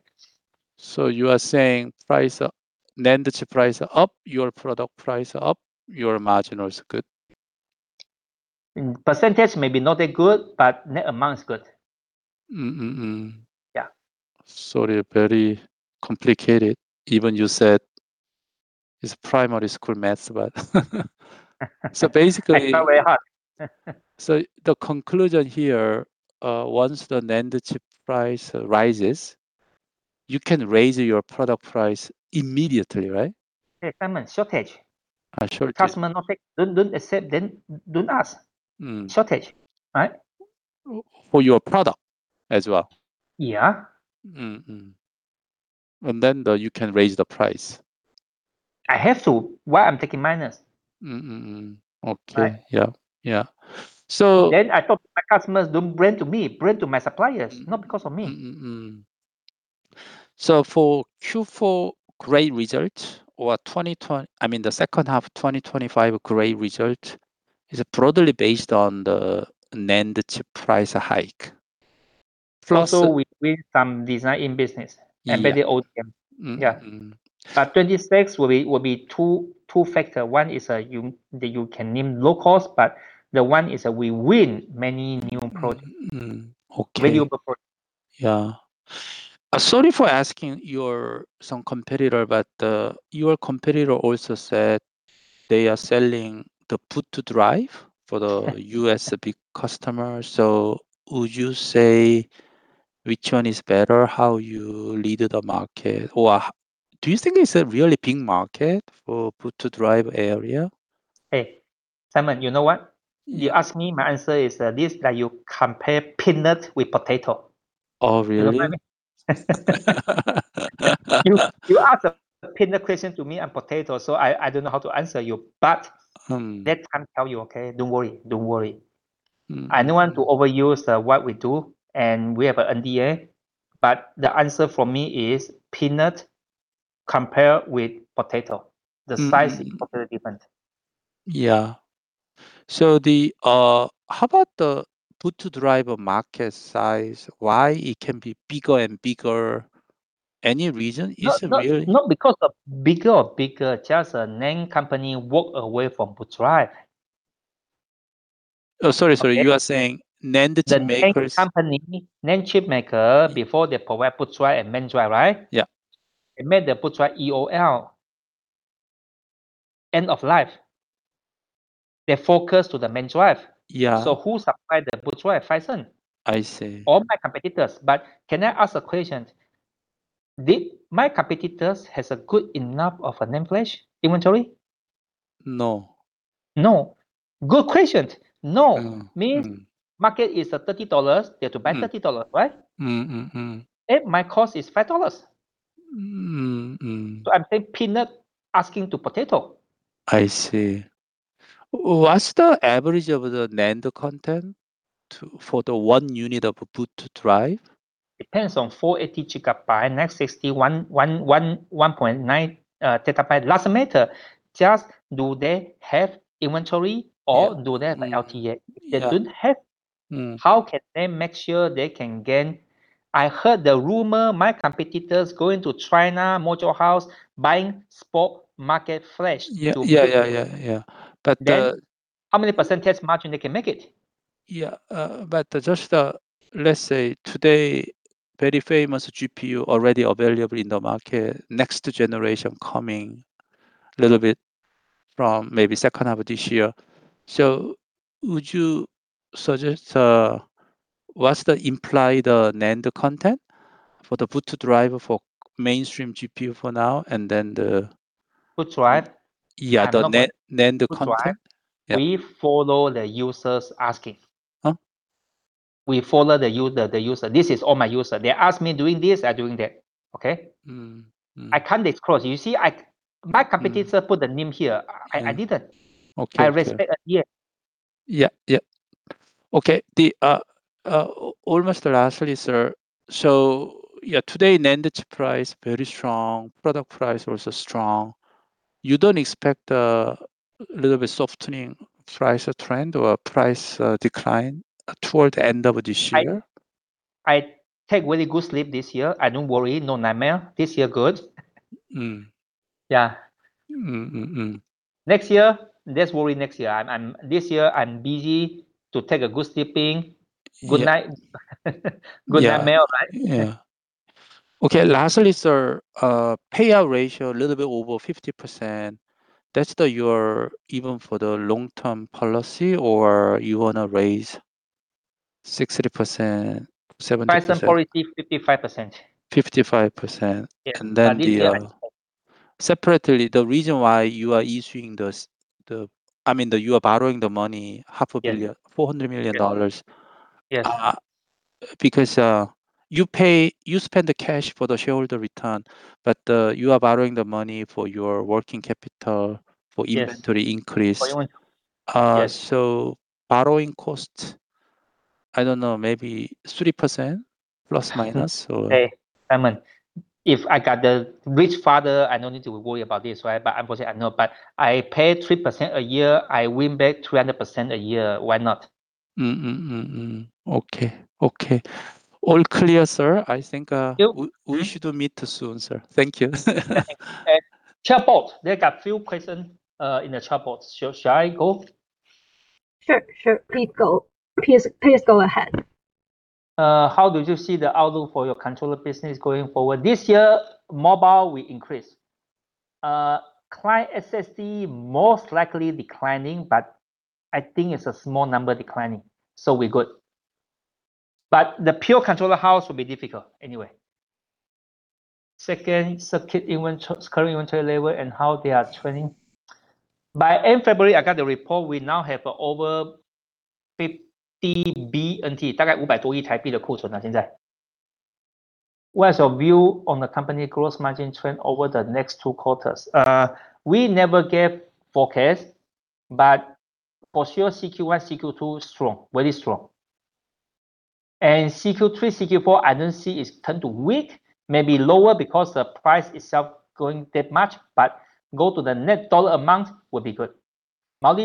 You are saying price, NAND chip price up, your product price up, your margin is good. Percentage may be not that good. Net amount is good. Mm-mm-mm. Yeah. Sorry, very complicated. Even you said it's primary school maths, basically- It's not very hard. The conclusion here, once the NAND chip price rises, you can raise your product price immediately, right? Yeah, Simon, shortage. Shortage. Don't accept, then don't ask. Mm. Shortage. Right? For your product as well? Yeah. Then you can raise the price. I have to. Why I'm taking minus? Okay. Right. Yeah. Yeah. I thought my customers don't blame to me, blame to my suppliers, not because of me. For Q4 great result or the second half of 2025 great result is broadly based on the NAND chip price hike. With some design in business- Yeah. by the OEM. Mm. Yeah. Mm. 2026 will be two factor. One is, You can name low cost, but the one is we win many new product. Okay. Valuable product. Yeah. Sorry for asking your, some competitor, your competitor also said they are selling the boot drive for the USB customer. Would you say which one is better, how you lead the market? Do you think it's a really big market for boot drive area? Hey, Simon, you know what? You ask me, my answer is this, that you compare peanut with potato. Oh, really? You know what I mean? You, you ask a peanut question to me and potato, so I don't know how to answer you. But-. Mm. Let me tell you, okay? Don't worry. Don't worry. Mm. I don't want to overuse, what we do, and we have an NDA, but the answer for me is peanut compare with potato. Mm. The size is totally different. Yeah. the... How about the boot drive market size, why it can be bigger and bigger? Any reason? Is it? No, no, not because of bigger or bigger. Just a NAND company walk away from boot drive. Oh, sorry. You are saying NAND chip makers- The NAND company, NAND chip maker, before they provide boot drive and main drive, right? Yeah. They made the boot drive EOL, end of life. They focus to the main drive. Yeah. Who supply the boot drive? Phison. I see. All my competitors. Can I ask a question? Did my competitors has a good enough of a NAND flash inventory? No. No. Good question. No. Mm. Means market is, 30 dollars, they have to buy 30 dollars, right? Mm-mm-mm. If my cost is 5 dollars. Mm-mm. I'm saying peanut asking to potato. I see. What's the average of the NAND content for the one unit of boot drive? Depends on 480 GB, next 60, 1.9 TB. Doesn't matter. Just do they have inventory or do they have an LTA yet? Yeah. They don't have. Mm. How can they make sure they can gain? I heard the rumor my competitors go into China module house buying spot market flash. Yeah. Yeah, yeah. How many % margin they can make it? Yeah. Just let's say today, very famous GPU already available in the market, next generation coming little bit from maybe second half of this year. Would you suggest what's the implied NAND content for the boot drive for mainstream GPU for now and then the- Boot drive? Yeah, the NAND content. Boot drive? Yeah. We follow the users asking. Huh? We follow the user. This is all my user. They ask me doing this, I doing that. Okay? Mm. Mm. I can't disclose. You see, my competitor put the name here. I didn't. Okay. I respect. Yeah. Yeah. Yeah. Okay. The almost lastly, sir. Yeah, today NAND chip price very strong, product price also strong. You don't expect a little bit softening price trend or price decline toward the end of this year? I take really good sleep this year. I don't worry, no nightmare. This year good. Mm. Yeah. Mm-mm-mm. Next year, let's worry next year. This year, I'm busy to take a good sleeping. Yeah. Good night. Yeah. Good nightmare, right? Yeah. Okay. Lastly, sir, payout ratio a little bit over 50%, that's the your even for the long-term policy or you wanna raise 60%, 70%? Phison already 55%. 55%. Yeah. Separately, the reason why you are issuing I mean, you are borrowing the money, 0.5 billion- Yeah. 400 million dollars. Yes. You pay, you spend the cash for the shareholder return, but, you are borrowing the money for your working capital- Yes. for inventory increase. Yes. borrowing cost, I don't know, maybe 3% plus, minus or? Hey, Simon, if I got the rich father, I no need to worry about this, right? I'm poor, I know, but I pay 3% a year, I win back 200% a year. Why not? Okay. Okay. All clear, sir. I think- Yep. we should meet soon, sir. Thank you. Chatbot. They got few question in the chatbot. Shall I go? Sure. Sure. Please go. Please go ahead. How did you see the outlook for your controller business going forward? This year, Mobile will increase. Client SSD most likely declining, but I think it's a small number declining, so we're good. The pure controller house will be difficult anyway. Circuit current inventory level and how they are trending. By end February, I got the report, we now have over [50B]. What is your view on the company gross margin trend over the next two quarters? We never give forecast, for sure CQ1, CQ2 is strong. Very strong. CQ3, CQ4, I don't see it's turn to weak, maybe lower because the price itself going that much, but go to the net dollar amount will be good. How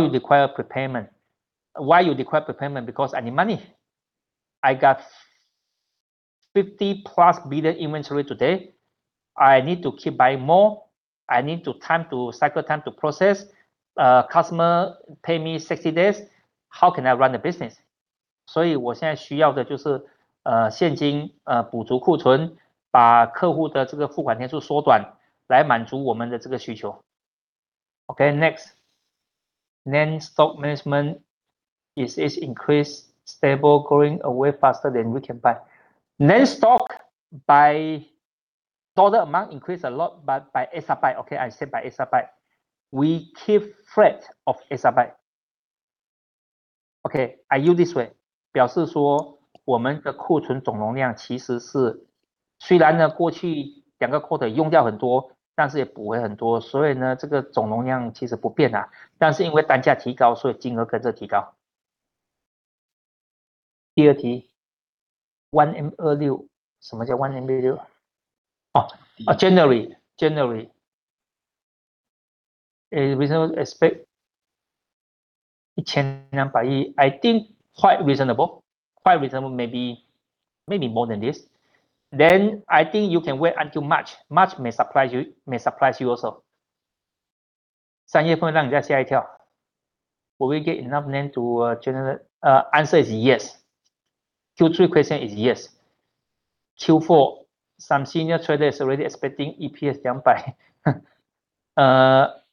you require prepayment? Why you require prepayment? Because I need money. I got 50-plus billion inventory today. I need to keep buying more. I need to cycle time to process. Customer pay me 60 days. How can I run the business? Okay, next. NAND stock management. Is increased, stable, going away faster than we can buy? NAND stock by dollar amount increased a lot, but by [SB5], okay, I said by [SB5], we keep flat of [SB5]. Okay, I use this way. January. A reasonable expect. I think quite reasonable. Quite reasonable, maybe more than this. I think you can wait until March. March may surprise you, may surprise you also. Will we get enough NAND to generate? Answer is yes. Q3 question is yes. Q4, some senior trader is already expecting EPS down by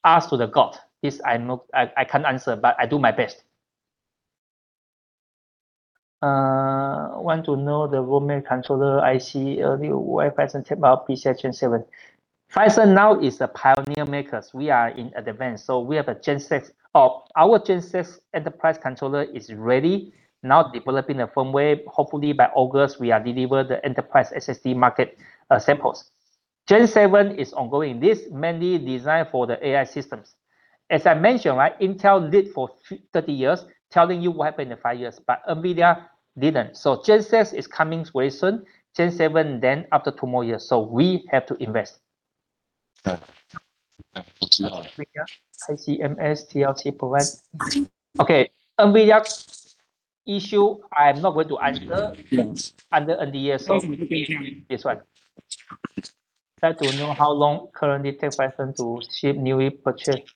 ask to the god. This I can't answer, but I do my best. Want to know the roadmap controller IC early where Phison check mark PCIe Gen7. Phison now is a pioneer makers. We are in advance. We have a Gen6, or our Gen6 enterprise controller is ready. Now developing a firmware. Hopefully by August, we are deliver the Enterprise SSD market samples. Gen7 is ongoing. This mainly designed for the AI systems. As I mentioned, right, Intel lead for 30 years telling you what happen in five years, but NVIDIA didn't. Gen6 is coming very soon. Gen7 after two more years. We have to invest. Yeah. ICMS, TLC provide... Okay. NVIDIA's issue, I am not going to answer. Yes. Under NDA, this one. Try to know how long currently takes Phison to ship newly purchased.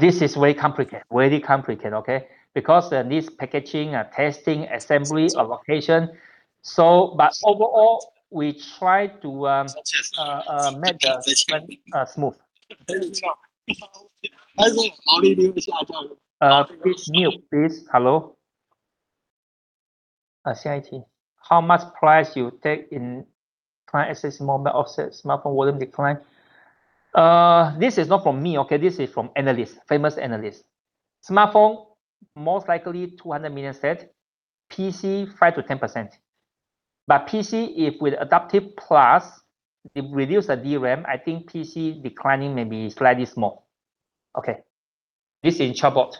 This is very complicated. Very complicated, okay? Because there needs packaging, testing, assembly, allocation. Overall, we try to make the shipment smooth. Please mute. Please. Hello? How much price you take in client SSD model offset smartphone volume decline? This is not from me, okay? This is from analyst, famous analyst. Smartphone, most likely 200 million set. PC, 5%-10%. PC, if with aiDAPTIV+, it reduce the DRAM, I think PC declining may be slightly small. Okay. This in chatbot.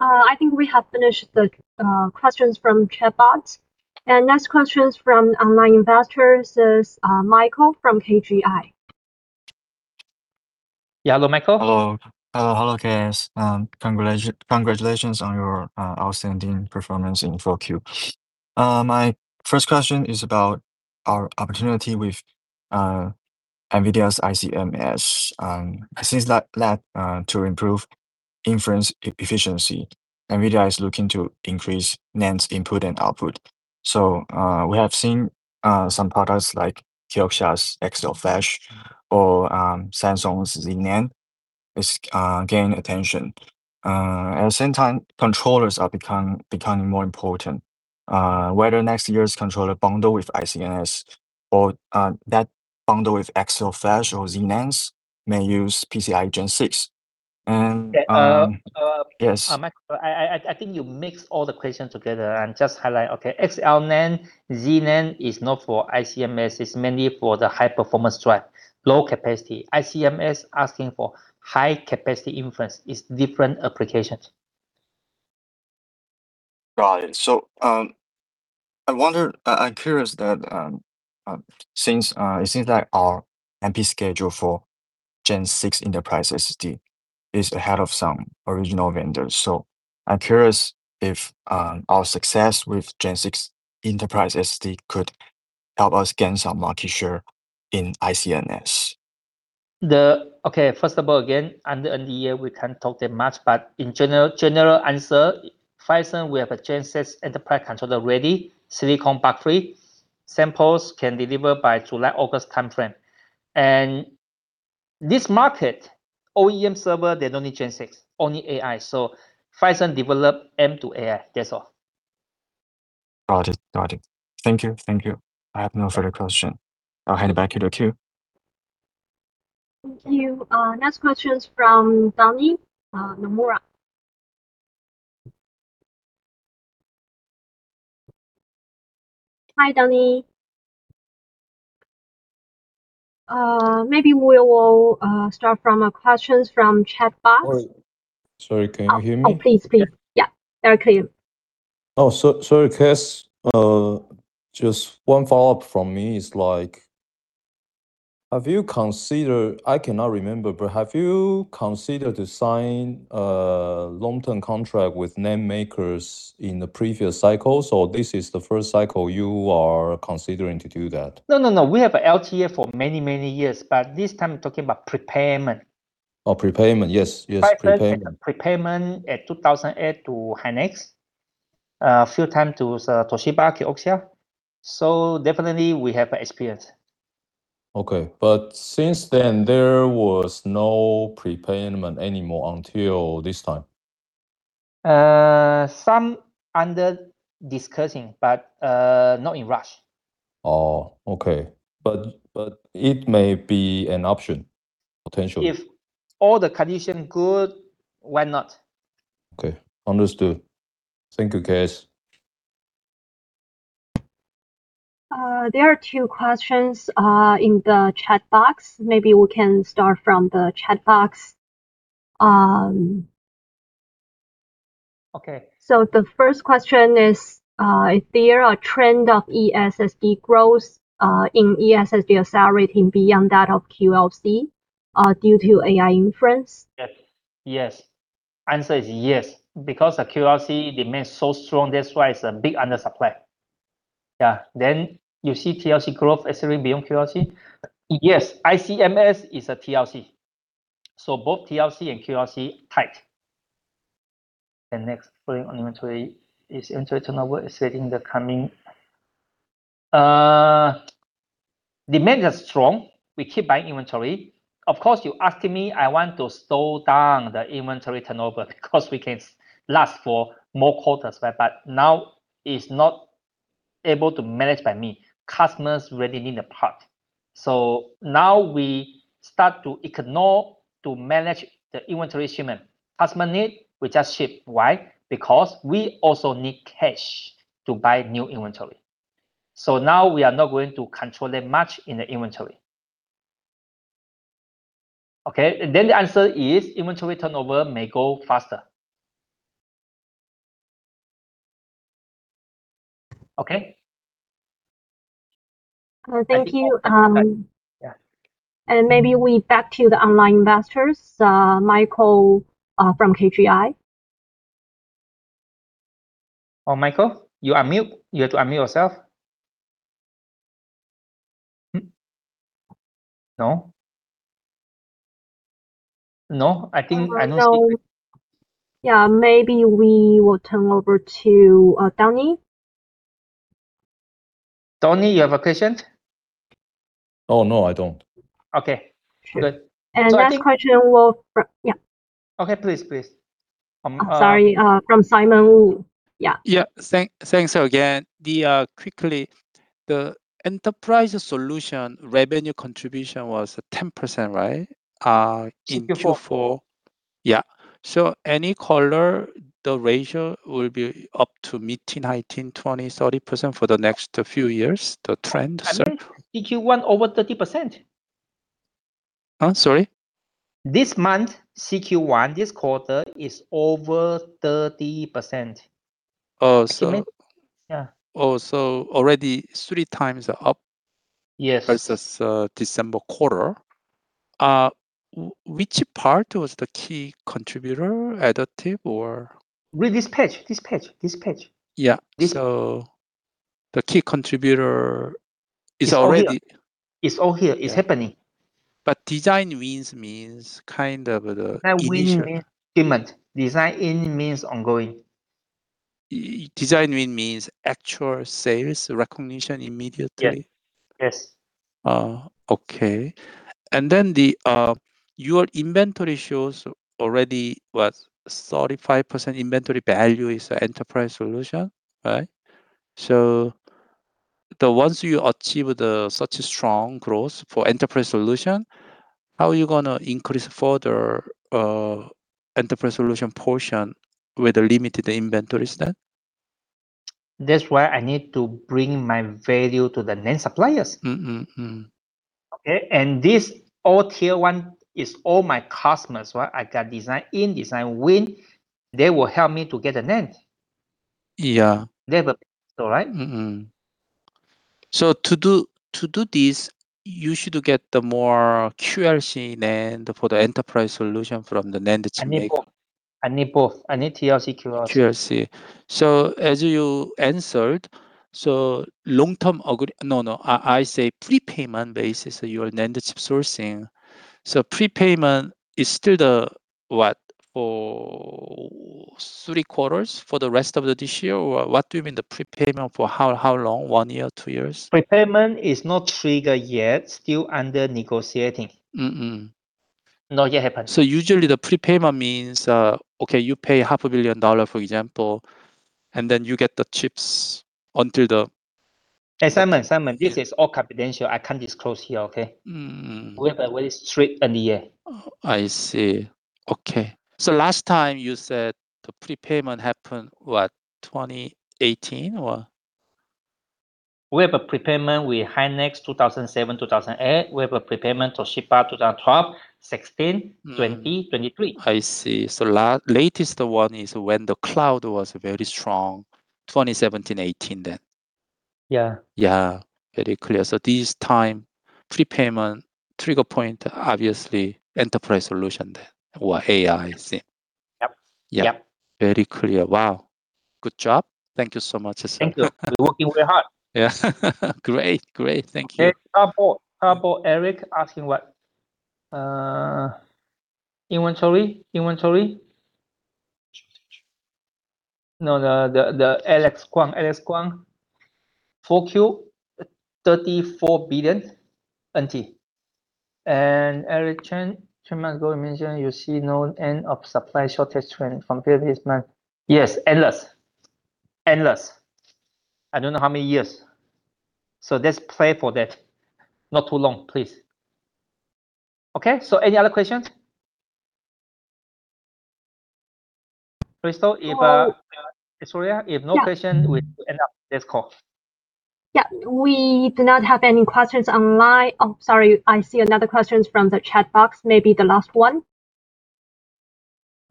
Yeah. I think we have finished the questions from chatbots. Next questions from online investors is Michael from KGI. Yeah. Hello, Michael. Hello, K.S. congratulations on your outstanding performance in 4Q. My first question is about our opportunity with NVIDIA's ICMS, since that to improve inference e-efficiency. NVIDIA is looking to increase NAND's input and output. We have seen some products like Kioxia's XL-FLASH or Samsung's Z-NAND is gaining attention. At the same time, controllers are becoming more important. Whether next year's controller bundle with ICMS or that bundle with XL-FLASH or Z-NANDs may use PCIe Gen6. Yeah. Yes. Michael, I think you mixed all the questions together. Just highlight, okay, XL NAND, Z-NAND is not for ICMS. It's mainly for the high performance drive, low capacity. ICMS asking for high capacity inference. It's different applications. Right. I'm curious that since it seems like our MP schedule for Gen6 Enterprise SSD is ahead of some original vendors. I'm curious if our success with Gen6 Enterprise SSD could help us gain some market share in ICMS. Okay. First of all, again, under NDA, we can't talk that much. In general answer, Phison, we have a Gen6 Enterprise controller ready, silicon factory. Samples can deliver by July, August timeframe. This market, OEM server, they don't need Gen6, only AI. Phison develop M to AI. That's all. Got it. Thank you. I have no further question. I'll hand it back to the queue. Thank you. Next question's from Donnie, Nomura. Hi, Donnie. Maybe we will start from questions from chatbot. Sorry, can you hear me? Oh, please. Yeah. Very clear. Sorry, K.S. Just one follow-up from me is like have you considered to sign a long-term contract with NAND makers in the previous cycles, or this is the first cycle you are considering to do that? No, no, we have LTA for many, many years, but this time talking about prepayment. Oh, prepayment. Yes, yes. Prepayment. Phison did a prepayment at 2008 to Hynix, few time to, Toshiba, Kioxia. Definitely we have experience. Okay. Since then, there was no prepayment anymore until this time. Some under discussing, but not in rush. Oh, okay. It may be an option potentially. If all the condition good, why not? Okay. Understood. Thank you, K.S. There are two questions in the chat box. Maybe we can start from the chat box. Okay. The first question is there a trend of eSSD growth, in eSSD accelerating beyond that of QLC, due to AI inference? Yes. Yes. Answer is yes, because the QLC demand is so strong, that's why it's a big undersupply. Yeah. You see TLC growth accelerating beyond QLC. Yes, ICMS is a TLC. Both TLC and QLC tight. Next, pulling on inventory, is inventory turnover accelerating the coming... Demand is strong. We keep buying inventory. Of course, you asking me, I want to slow down the inventory turnover because we can last for more quarters. But now it's not able to manage by me. Customers really need the part. Now we start to ignore to manage the inventory shipment. Customer need, we just ship. Why? Because we also need cash to buy new inventory. Now we are not going to control it much in the inventory. Okay. The answer is inventory turnover may go faster. Okay? Thank you. Yeah. Maybe we back to the online investors, Michael, from KGI. Oh, Michael, you unmute. You have to unmute yourself. Hmm. No. No, I think I no see you. All right. Yeah, maybe we will turn over to Donnie. Donnie, you have a question? Oh, no, I don't. Okay. Good. Last question will from. Yeah. Okay. Please. Sorry. From Simon Woo. Yeah. Yeah. Thanks again. Quickly the enterprise solution revenue contribution was 10%, right? in Q4? Q four. Yeah. Any color, the ratio will be up to mid to 19%, 20%, 30% for the next few years, the trend. I mean, Q1 over 30%. Huh? Sorry. This month, CQ1, this quarter, is over 30%. Oh, so- Yeah. Oh, already three times up- Yes versus December quarter. Which part was the key contributor, adaptive or? Read this page. Yeah. This- The key contributor is. It's all here. It's all here. Yeah. It's happening. Design wins means kind of the initial. Design win means payment. Design in means ongoing. Design win means actual sales recognition immediately? Yes. Yes. Oh, okay. Then the, your inventory shows already, what, 35% inventory value is enterprise solution, right? The ones you achieve the such strong growth for enterprise solution, how are you gonna increase further, enterprise solution portion with the limited inventory then? That's why I need to bring my value to the NAND suppliers. Mm-hmm. Mm. Okay? This all Tier 1 is all my customers where I got design in, design win. They will help me to get the NAND. Yeah. They have a, all right? Mm-hmm. To do this, you should get the more QLC NAND for the enterprise solution from the NAND chip maker. I need both. I need TLC, QLC. TLC. No, no. I say prepayment basis, your NAND chip sourcing. Prepayment is still the what, for three quarters for the rest of this year? What do you mean the prepayment? For how long? 1 year, 2 years? Prepayment is not trigger yet, still under negotiating. Mm-mm. Not yet happened. Usually the prepayment means, okay, you pay half a billion dollar, for example, and then you get the chips. Hey, Simon, this is all confidential. I can't disclose here, okay? Mm-mm. We have a very strict NDA. I see. Okay. last time you said the prepayment happened, what, 2018 or? We have a prepayment with Hynix 2007, 2008. We have a prepayment to ship out 2012, 2016, 2020, 2023. I see. latest one is when the cloud was very strong, 2017, 2018 then. Yeah. Yeah. Very clear. This time, prepayment trigger point, obviously enterprise solution then, or AI it seem. Yep. Yeah. Yep. Very clear. Wow. Good job. Thank you so much. Thank you. We're working very hard. Yeah. Great. Thank you. Okay. Couple. Eric asking what? Inventory? No, the K.S. Pua. 4Q, 34 billion NT. Eric Chen, two months ago you mentioned you see no end of supply shortage trend from previous month. Yes, endless. I don't know how many years. Let's pray for that, not too long, please. Okay, any other questions? Crystal, if- So- Victoria- Yeah If no question, we end up this call. Yeah. We do not have any questions online. Oh, sorry, I see another questions from the chat box. Maybe the last one.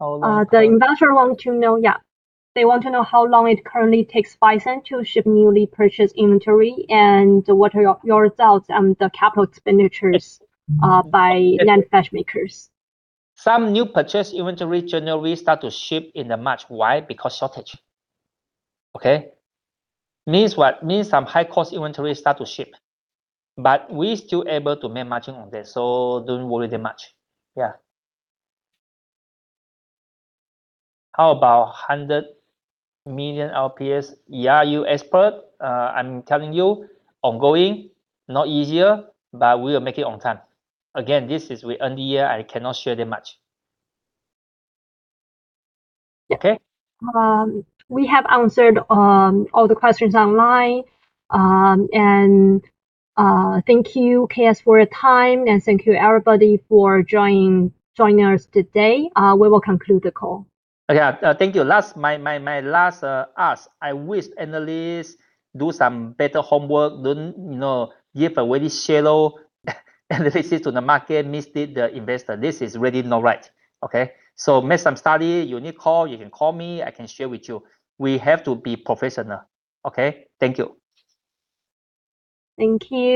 How long- The investor want to know. Yeah. They want to know how long it currently takes Phison to ship newly purchased inventory, and what are your thoughts on the CapEx by NAND flash makers? Some new purchase inventory, generally, we start to ship in the March. Why? Because shortage. Okay? Means what? Means some high-cost inventory start to ship. We still able to make margin on this, so don't worry that much. Yeah. How about 100 million IOPS? Yeah. You expert. I'm telling you, ongoing, not easier, but we will make it on time. This is with NDA, I cannot share that much. Okay? We have answered all the questions online. Thank you, K.S., for your time, and thank you, everybody, for joining us today. We will conclude the call. Okay. Thank you. Last, my last ask, I wish analysts do some better homework. Don't, you know, give a very shallow analysis to the market, mislead the investor. This is really not right, okay? Make some study. You need call, you can call me. I can share with you. We have to be professional, okay? Thank you. Thank you.